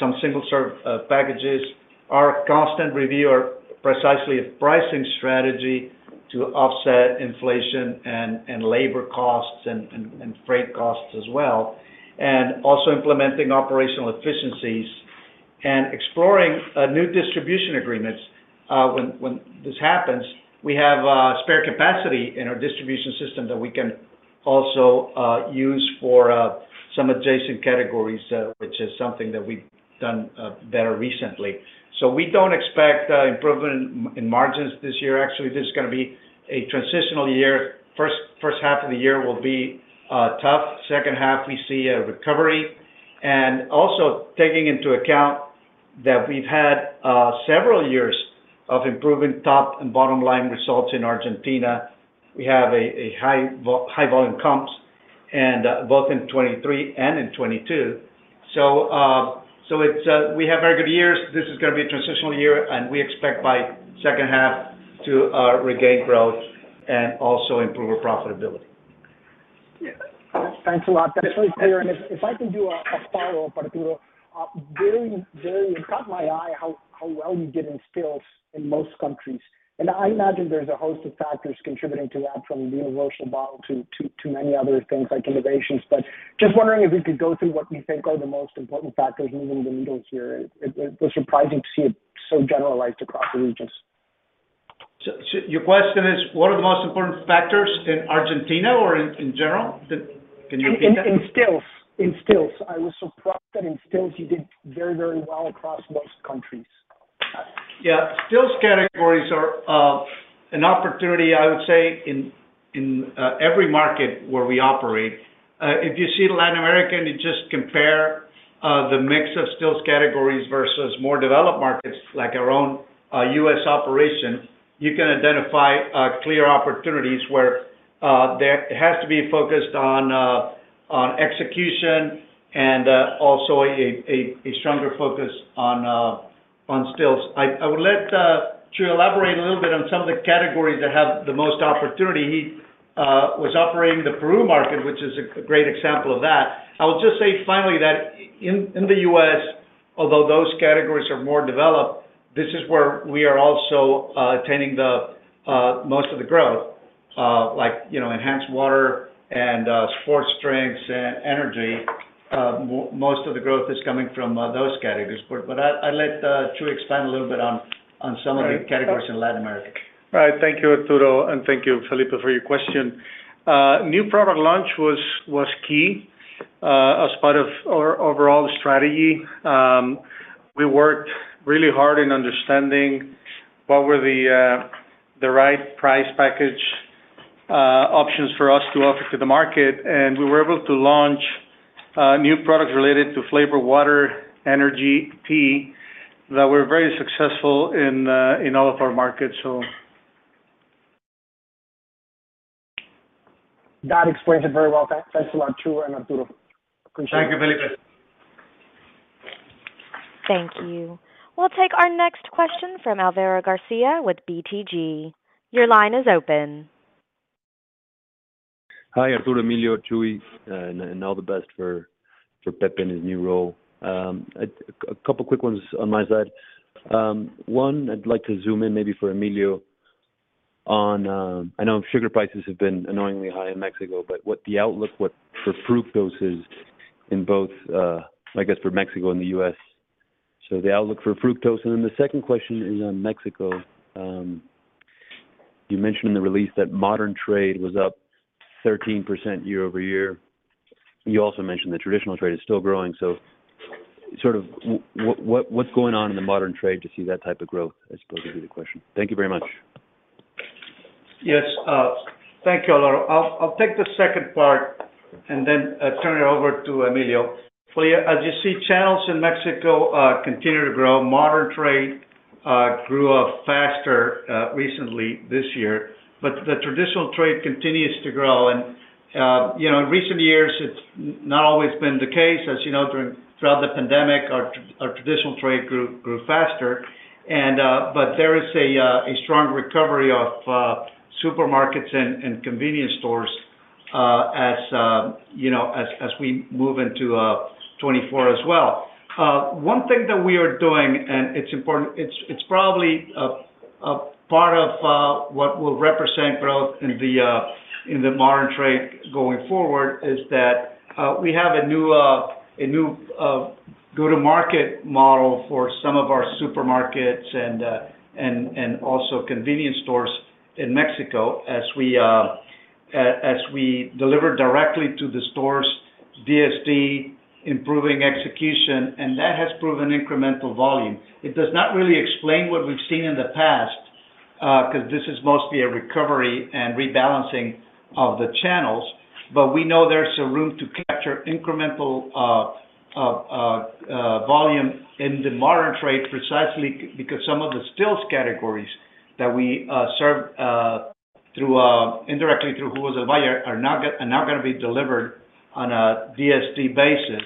some single-serve packages. Our constant review are precisely a pricing strategy to offset inflation and labor costs, and freight costs as well. And also implementing operational efficiencies and exploring new distribution agreements. When this happens, we have spare capacity in our distribution system that we can also use for some adjacent categories, which is something that we've done better recently. So we don't expect improvement in margins this year. Actually, this is gonna be a transitional year. First, first half of the year will be tough. Second half, we see a recovery. And also taking into account that we've had several years of improving top and bottom line results in Argentina. We have a high volume comps, and both in 2023 and in 2022. So, so it's we have very good years. This is gonna be a transitional year, and we expect by second half to regain growth and also improve our profitability. Thanks a lot. That's very clear. And if I can do a follow-up, Arturo. Very, very... It caught my eye how well you did in stills in most countries. And I imagine there's a host of factors contributing to that, from the universal bottle to many other things, like innovations. But just wondering if you could go through what you think are the most important factors moving the needles here. It was surprising to see it so generalized across the regions. So, your question is, what are the most important factors in Argentina or in general? Can you repeat that? In stills. I was surprised that in stills you did very, very well across most countries. Yeah. Stills categories are an opportunity, I would say, in every market where we operate. If you see Latin America, and you just compare the mix of stills categories versus more developed markets like our own U.S. operation, you can identify clear opportunities where there has to be focused on execution and also a stronger focus on stills. I would let Chuy elaborate a little bit on some of the categories that have the most opportunity. He was operating the Peru market, which is a great example of that. I will just say finally that in the U.S., although those categories are more developed, this is where we are also attaining the most of the growth. Like, you know, enhanced water and sports drinks and energy, most of the growth is coming from those categories. But, but I, I'll let Chuy expand a little bit on, on some of the-... categories in Latin America. Right. Thank you, Arturo, and thank you, Felipe, for your question. New product launch was key as part of our overall strategy. We worked really hard in understanding what were the right price package options for us to offer to the market. And we were able to launch new products related to flavored water, energy, tea, that were very successful in all of our markets, so. That explains it very well. Thank, thanks a lot, Chuy and Arturo. Appreciate it. Thank you, Felipe. Thank you. We'll take our next question from Álvaro García with BTG. Your line is open. Hi, Arturo, Emilio, Chuy, and all the best for Pepe in his new role. A couple quick ones on my side. One, I'd like to zoom in, maybe for Emilio, on... I know sugar prices have been annoyingly high in Mexico, but what the outlook for fructose is in both, I guess, for Mexico and the US. So the outlook for fructose. And then the second question is on Mexico. You mentioned in the release that modern trade was up 13% year-over-year. You also mentioned that traditional trade is still growing. So sort of what's going on in the modern trade to see that type of growth, I suppose, is the question. Thank you very much. Yes, thank you, Álvaro. I'll, I'll take the second part and then turn it over to Emilio. For you, as you see, channels in Mexico continue to grow. Modern trade grew up faster recently this year, but the traditional trade continues to grow. You know, in recent years, it's not always been the case. As you know, throughout the pandemic, our traditional trade grew faster. But there is a strong recovery of supermarkets and convenience stores, as you know, as we move into 2024 as well. One thing that we are doing, and it's important, it's probably a part of what will represent growth in the modern trade going forward, is that we have a new go-to-market model for some of our supermarkets and also convenience stores in Mexico, as we deliver directly to the stores, DSD, improving execution, and that has proven incremental volume. It does not really explain what we've seen in the past, 'cause this is mostly a recovery and rebalancing of the channels, but we know there's a room to capture incremental volume in the modern trade, precisely because some of the stills categories that we serve through indirectly through who is a buyer, are now gonna be delivered on a DSD basis.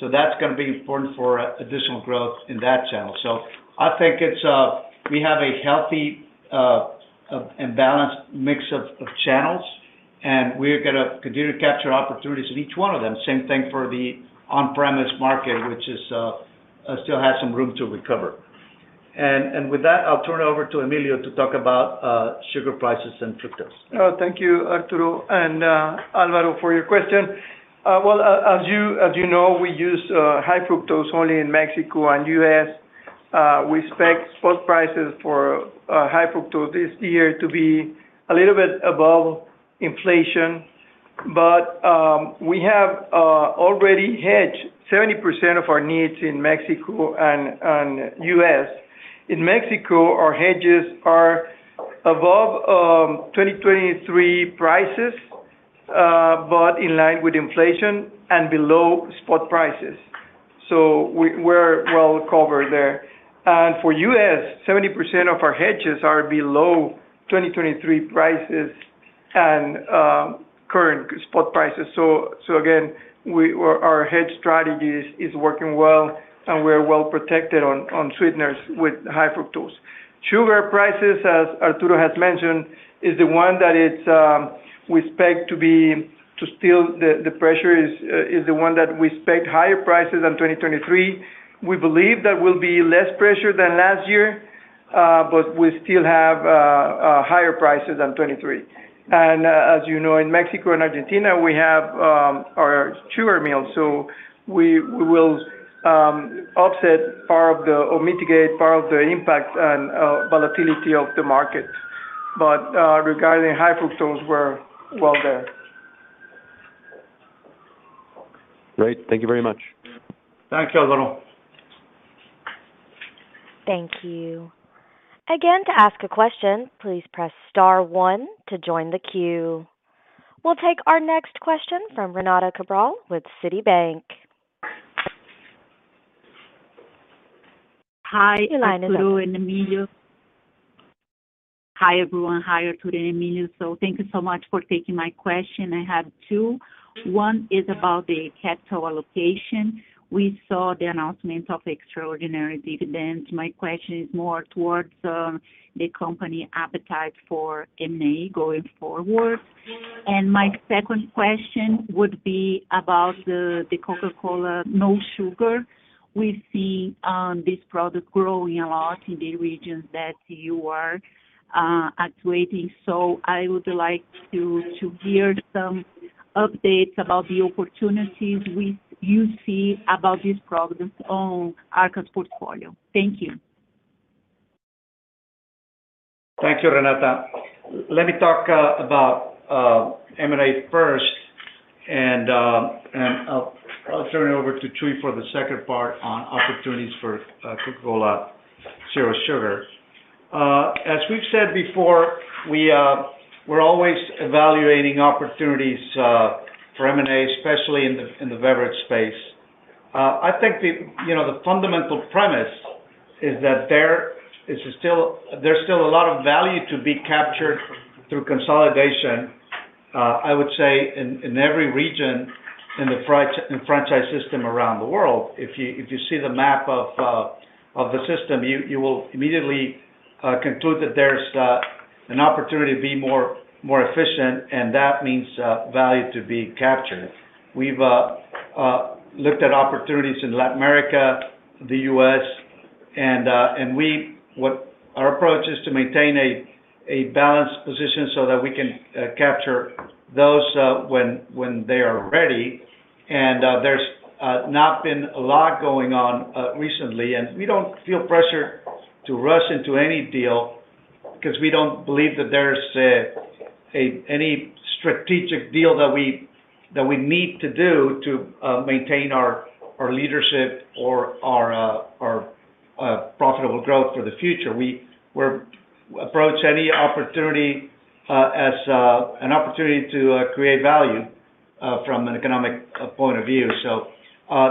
So that's gonna be important for additional growth in that channel. So I think it's we have a healthy and balanced mix of channels, and we're gonna continue to capture opportunities in each one of them. Same thing for the on-premise market, which still has some room to recover. And with that, I'll turn it over to Emilio to talk about sugar prices and fructose. Oh, thank you, Arturo, and Alvaro, for your question. Well, as you know, we use high fructose only in Mexico and U.S. We expect spot prices for high fructose this year to be a little bit above inflation, but we have already hedged 70% of our needs in Mexico and U.S. In Mexico, our hedges are above 2023 prices, but in line with inflation and below spot prices. So we're well covered there. And for U.S., 70% of our hedges are below 2023 prices and current spot prices. So again, our hedge strategy is working well, and we're well protected on sweeteners with high fructose. Sugar prices, as Arturo has mentioned, is the one that it's we expect to be to still the pressure is the one that we expect higher prices than 2023. We believe there will be less pressure than last year, but we still have a higher prices than 2023. And, as you know, in Mexico and Argentina, we have our sugar mills, so we will offset part of the or mitigate part of the impact and volatility of the market. But, regarding high fructose, we're well there. Great. Thank you very much. Thanks, Alvaro. Thank you. Again, to ask a question, please press star one to join the queue. We'll take our next question from Renata Cabral with Citibank. Hi, Arturo and Emilio. Hi, everyone. Hi, Arturo and Emilio. So thank you so much for taking my question. I have two. One is about the capital allocation. We saw the announcement of extraordinary dividends. My question is more towards, the company appetite for M&A going forward. And my second question would be about the, the Coca-Cola No Sugar. We see, this product growing a lot in the regions that you are, actuating. So I would like to, to hear some updates about the opportunities with you see about this product on Arca's portfolio. Thank you. Thank you, Renata. Let me talk about M&A first, and I'll turn it over to Chuy for the second part on opportunities for Coca-Cola Zero Sugar. As we've said before, we're always evaluating opportunities for M&A, especially in the beverage space. I think the, you know, the fundamental premise is that there is still—there's still a lot of value to be captured through consolidation, I would say, in every region in the franchise system around the world. If you see the map of the system, you will immediately conclude that there's an opportunity to be more efficient, and that means value to be captured. We've looked at opportunities in Latin America, the U.S., and we—what our approach is to maintain a balanced position so that we can capture those when they are ready. And there's not been a lot going on recently, and we don't feel pressure to rush into any deal, 'cause we don't believe that there's any strategic deal that we need to do to maintain our leadership or our profitable growth for the future. We approach any opportunity as an opportunity to create value... from an economic point of view. So,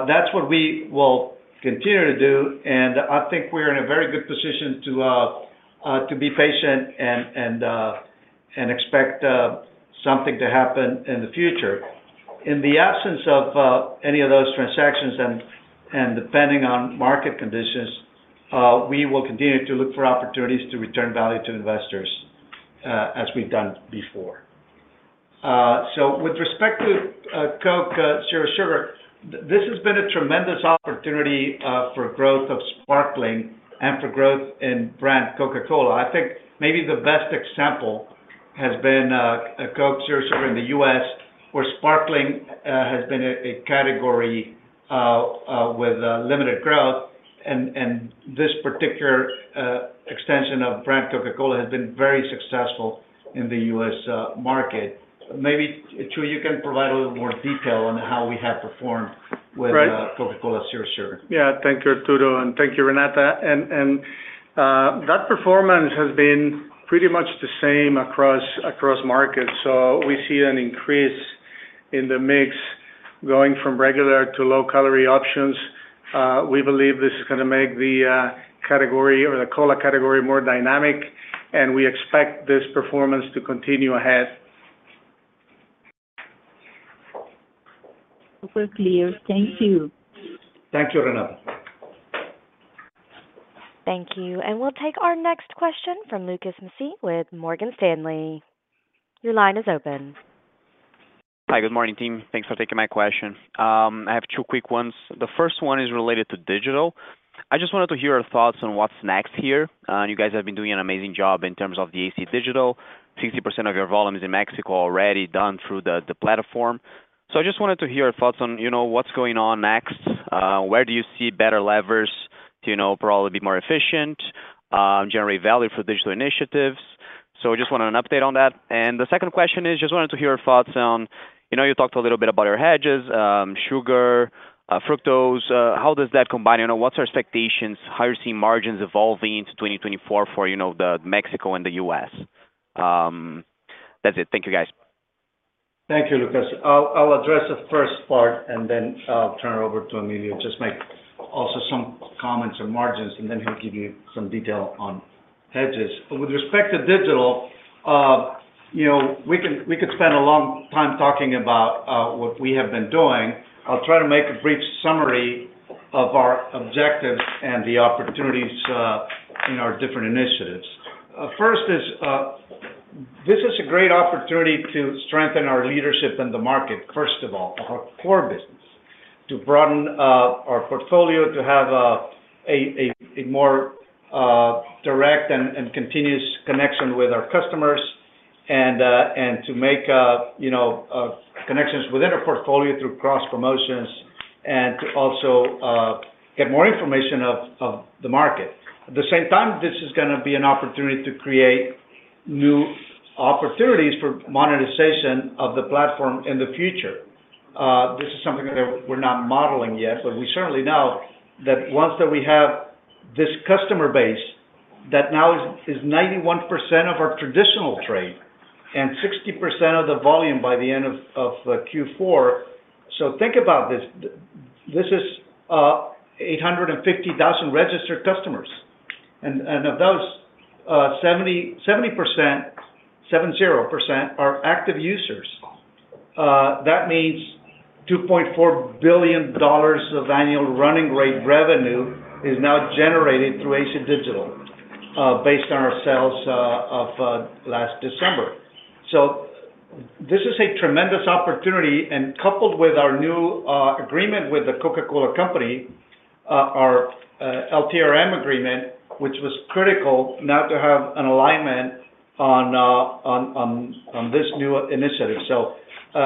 that's what we will continue to do, and I think we're in a very good position to be patient and expect something to happen in the future. In the absence of any of those transactions and depending on market conditions, we will continue to look for opportunities to return value to investors, as we've done before. So with respect to Coke Zero Sugar, this has been a tremendous opportunity for growth of sparkling and for growth in brand Coca-Cola. I think maybe the best example has been Coke Zero Sugar in the U.S., where sparkling has been a category with limited growth. And this particular extension of brand Coca-Cola has been very successful in the U.S. market. Maybe, Chuy, you can provide a little more detail on how we have performed- Right. With Coca-Cola Zero Sugar. Yeah. Thank you, Arturo, and thank you, Renata. And that performance has been pretty much the same across markets. So we see an increase in the mix going from regular to low-calorie options. We believe this is gonna make the category or the cola category more dynamic, and we expect this performance to continue ahead. Super clear. Thank you. Thank you, Renata. Thank you. And we'll take our next question from Lucas Mussi with Morgan Stanley. Your line is open. Hi, good morning, team. Thanks for taking my question. I have two quick ones. The first one is related to digital. I just wanted to hear your thoughts on what's next here. You guys have been doing an amazing job in terms of the AC Digital. 60% of your volume is in Mexico, already done through the platform. So I just wanted to hear your thoughts on, you know, what's going on next. Where do you see better levers to, you know, probably be more efficient, generate value for digital initiatives? So I just want an update on that. And the second question is, just wanted to hear your thoughts on... You know, you talked a little bit about your hedges, sugar, fructose. How does that combine? You know, what's our expectations, how you see margins evolving into 2024 for, you know, the Mexico and the U.S.? That's it. Thank you, guys. Thank you, Lucas. I'll address the first part, and then I'll turn it over to Emilio. Just make also some comments on margins, and then he'll give you some detail on hedges. With respect to digital, you know, we could spend a long time talking about what we have been doing. I'll try to make a brief summary of our objectives and the opportunities in our different initiatives. First is this is a great opportunity to strengthen our leadership in the market, first of all, our core business. To broaden our portfolio, to have a more direct and continuous connection with our customers, and to make you know connections within our portfolio through cross promotions, and to also get more information of the market. At the same time, this is gonna be an opportunity to create new opportunities for monetization of the platform in the future. This is something that we're not modeling yet, but we certainly know that once that we have this customer base, that now is 91% of our traditional trade and 60% of the volume by the end of Q4. So think about this. This is 850,000 registered customers, and of those, 70, 70%—70% are active users. That means $2.4 billion of annual running rate revenue is now generated through AC Digital, based on our sales of last December. So this is a tremendous opportunity, and coupled with our new agreement with the Coca-Cola Company, our LTRM agreement, which was critical now to have an alignment on this new initiative. So,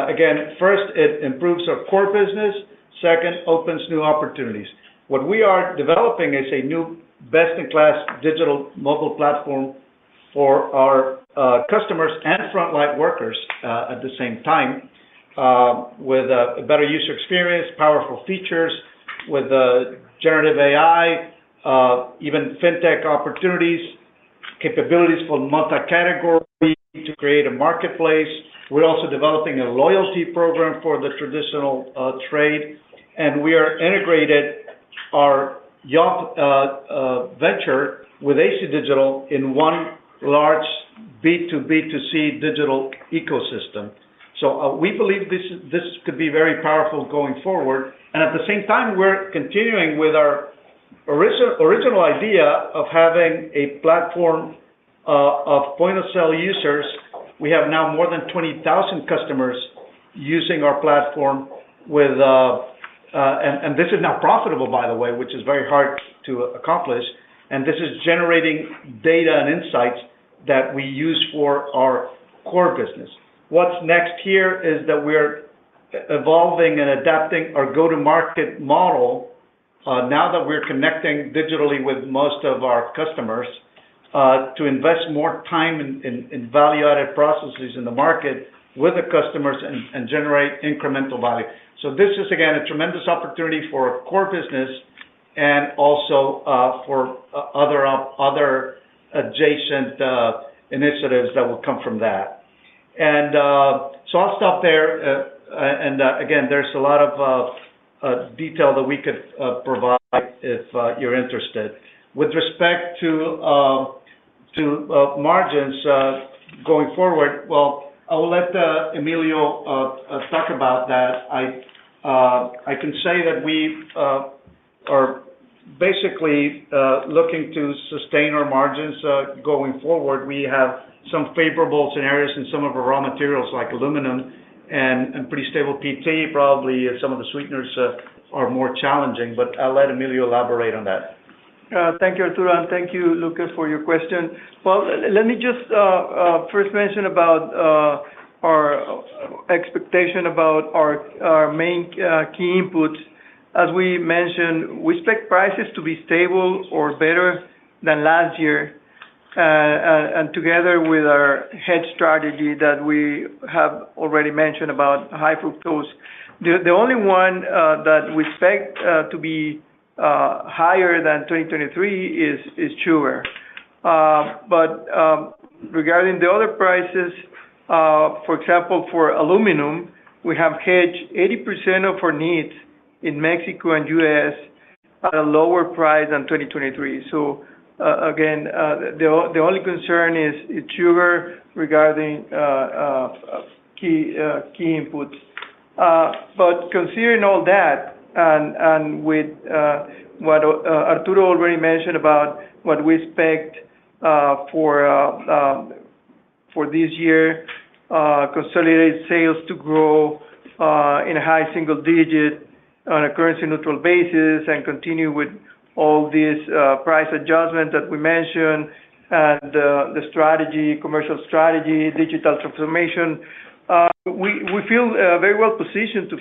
again, first, it improves our core business. Second, opens new opportunities. What we are developing is a new best-in-class digital mobile platform for our customers and frontline workers at the same time with a better user experience, powerful features, with generative AI, even Fintech opportunities, capabilities for multi-category to create a marketplace. We're also developing a loyalty program for the traditional trade, and we are integrated our YOP venture with AC Digital in one large B2B2C digital ecosystem. So, we believe this could be very powerful going forward. At the same time, we're continuing with our original idea of having a platform of point-of-sale users. We have now more than 20,000 customers using our platform. And this is now profitable, by the way, which is very hard to accomplish, and this is generating data and insights that we use for our core business. What's next here is that we're evolving and adapting our go-to-market model, now that we're connecting digitally with most of our customers, to invest more time in value-added processes in the market with the customers and generate incremental value. So this is, again, a tremendous opportunity for our core business... and also for other adjacent initiatives that will come from that. And so I'll stop there. And again, there's a lot of detail that we could provide if you're interested. With respect to margins going forward, well, I will let Emilio talk about that. I can say that we are basically looking to sustain our margins going forward. We have some favorable scenarios in some of our raw materials, like aluminum and pretty stable PET. Probably some of the sweeteners are more challenging, but I'll let Emilio elaborate on that. Thank you, Arturo, and thank you, Lucas, for your question. Well, let me just first mention about our expectation about our main key inputs. As we mentioned, we expect prices to be stable or better than last year. And together with our hedge strategy that we have already mentioned about high fructose, the only one that we expect to be higher than 2023 is sugar. But regarding the other prices, for example, for aluminum, we have hedged 80% of our needs in Mexico and US at a lower price than 2023. So, again, the only concern is sugar regarding key inputs. But considering all that, and with what Arturo already mentioned about what we expect for this year, consolidated sales to grow in a high single-digit on a currency-neutral basis and continue with all these price adjustments that we mentioned, and the strategy, commercial strategy, digital transformation. We feel very well positioned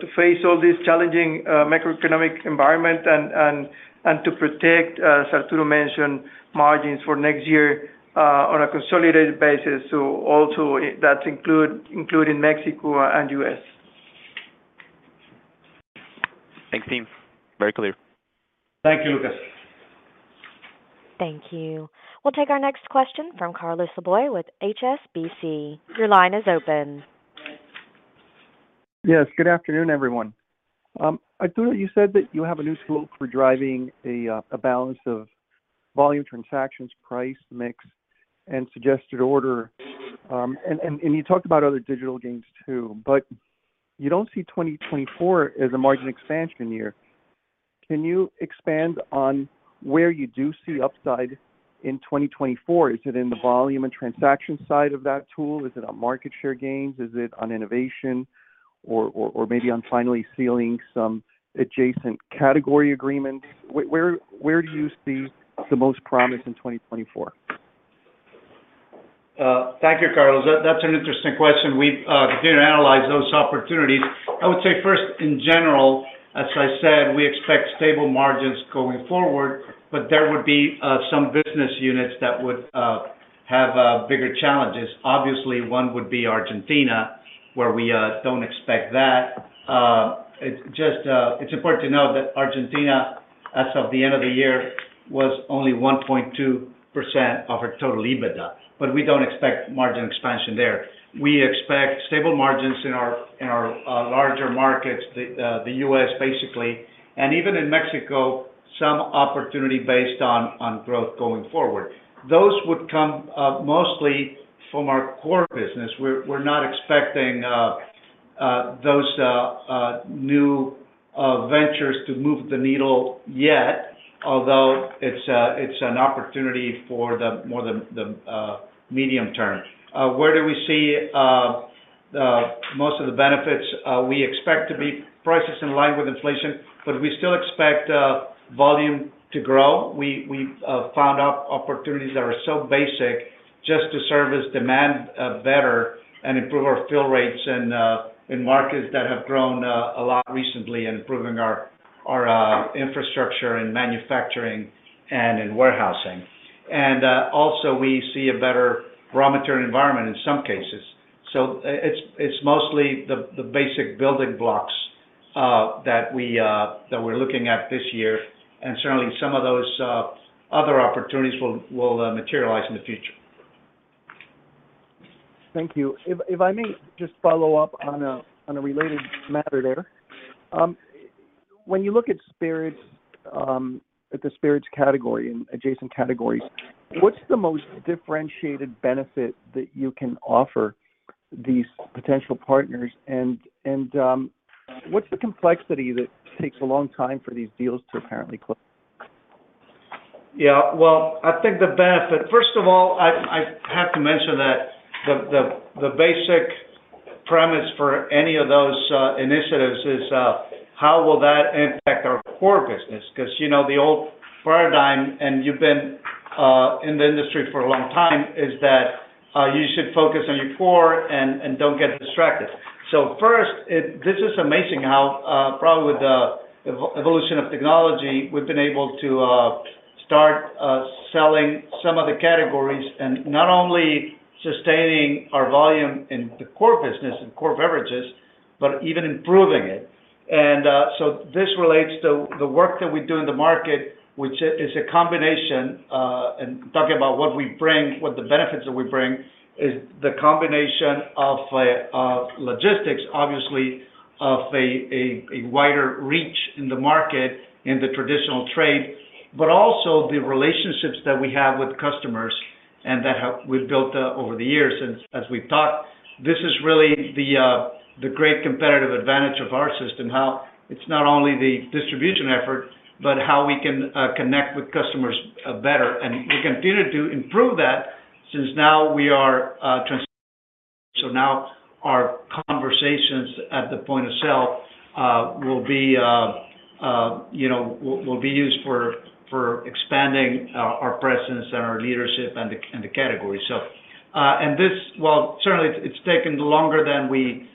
to face all these challenging macroeconomic environment and to protect, as Arturo mentioned, margins for next year on a consolidated basis. So also, that include, including Mexico and U.S. Thanks, team. Very clear. Thank you, Lucas. Thank you. We'll take our next question from Carlos Laboy with HSBC. Your line is open. Yes, good afternoon, everyone. Arturo, you said that you have a new slope for driving a, a balance of volume, transactions, price, mix, and suggested order. And you talked about other digital gains too, but you don't see 2024 as a margin expansion year. Can you expand on where you do see upside in 2024? Is it in the volume and transaction side of that tool? Is it on market share gains? Is it on innovation or maybe on finally sealing some adjacent category agreements? Where do you see the most promise in 2024? Thank you, Carlos. That, that's an interesting question. We've began to analyze those opportunities. I would say first, in general, as I said, we expect stable margins going forward, but there would be some business units that would have bigger challenges. Obviously, one would be Argentina, where we don't expect that. It's just, it's important to know that Argentina, as of the end of the year, was only 1.2% of our total EBITDA, but we don't expect margin expansion there. We expect stable margins in our larger markets, the U.S., basically, and even in Mexico, some opportunity based on growth going forward. Those would come mostly from our core business. We're not expecting those new ventures to move the needle yet, although it's an opportunity for the medium term. Where do we see the most of the benefits? We expect to be prices in line with inflation, but we still expect volume to grow. We found opportunities that are so basic just to service demand better and improve our fill rates in markets that have grown a lot recently and improving our infrastructure and manufacturing and in warehousing. Also, we see a better raw material environment in some cases. So it's mostly the basic building blocks that we're looking at this year, and certainly some of those other opportunities will materialize in the future. Thank you. If I may just follow up on a related matter there. When you look at spirits, at the spirits category and adjacent categories, what's the most differentiated benefit that you can offer these potential partners? And what's the complexity that takes a long time for these deals to apparently close? Yeah, well, I think the benefit. First of all, I have to mention that the basic premise for any of those initiatives is how will that impact our core business? Because, you know, the old paradigm, and you've been in the industry for a long time, is that you should focus on your core and don't get distracted. So first, this is amazing how, probably with the evolution of technology, we've been able to selling some of the categories, and not only sustaining our volume in the core business, in core beverages, but even improving it. So this relates to the work that we do in the market, which is a combination, and talking about what we bring, what the benefits that we bring, is the combination of logistics, obviously, of a wider reach in the market, in the traditional trade, but also the relationships that we have with customers and that we've built over the years. As we've talked, this is really the great competitive advantage of our system. How it's not only the distribution effort, but how we can connect with customers better. We continue to improve that, since now we are transitioning. So now our conversations at the point of sale will be, you know, used for expanding our presence and our leadership in the category. Well, certainly, it's taken longer than we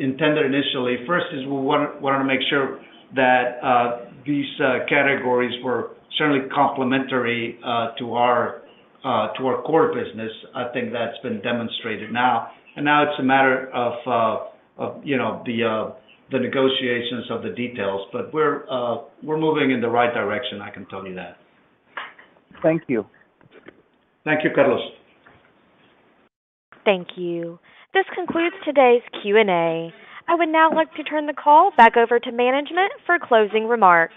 intended initially. First is we wanted to make sure that these categories were certainly complementary to our core business. I think that's been demonstrated now. And now it's a matter of you know the negotiations of the details. But we're moving in the right direction, I can tell you that. Thank you. Thank you, Carlos. Thank you. This concludes today's Q&A. I would now like to turn the call back over to management for closing remarks.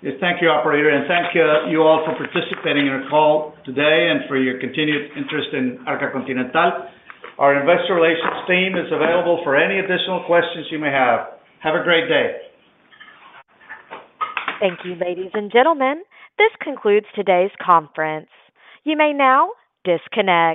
Yes, thank you, operator, and thank you all for participating in our call today and for your continued interest in Arca Continental. Our investor relations team is available for any additional questions you may have. Have a great day! Thank you, ladies and gentlemen. This concludes today's conference. You may now disconnect.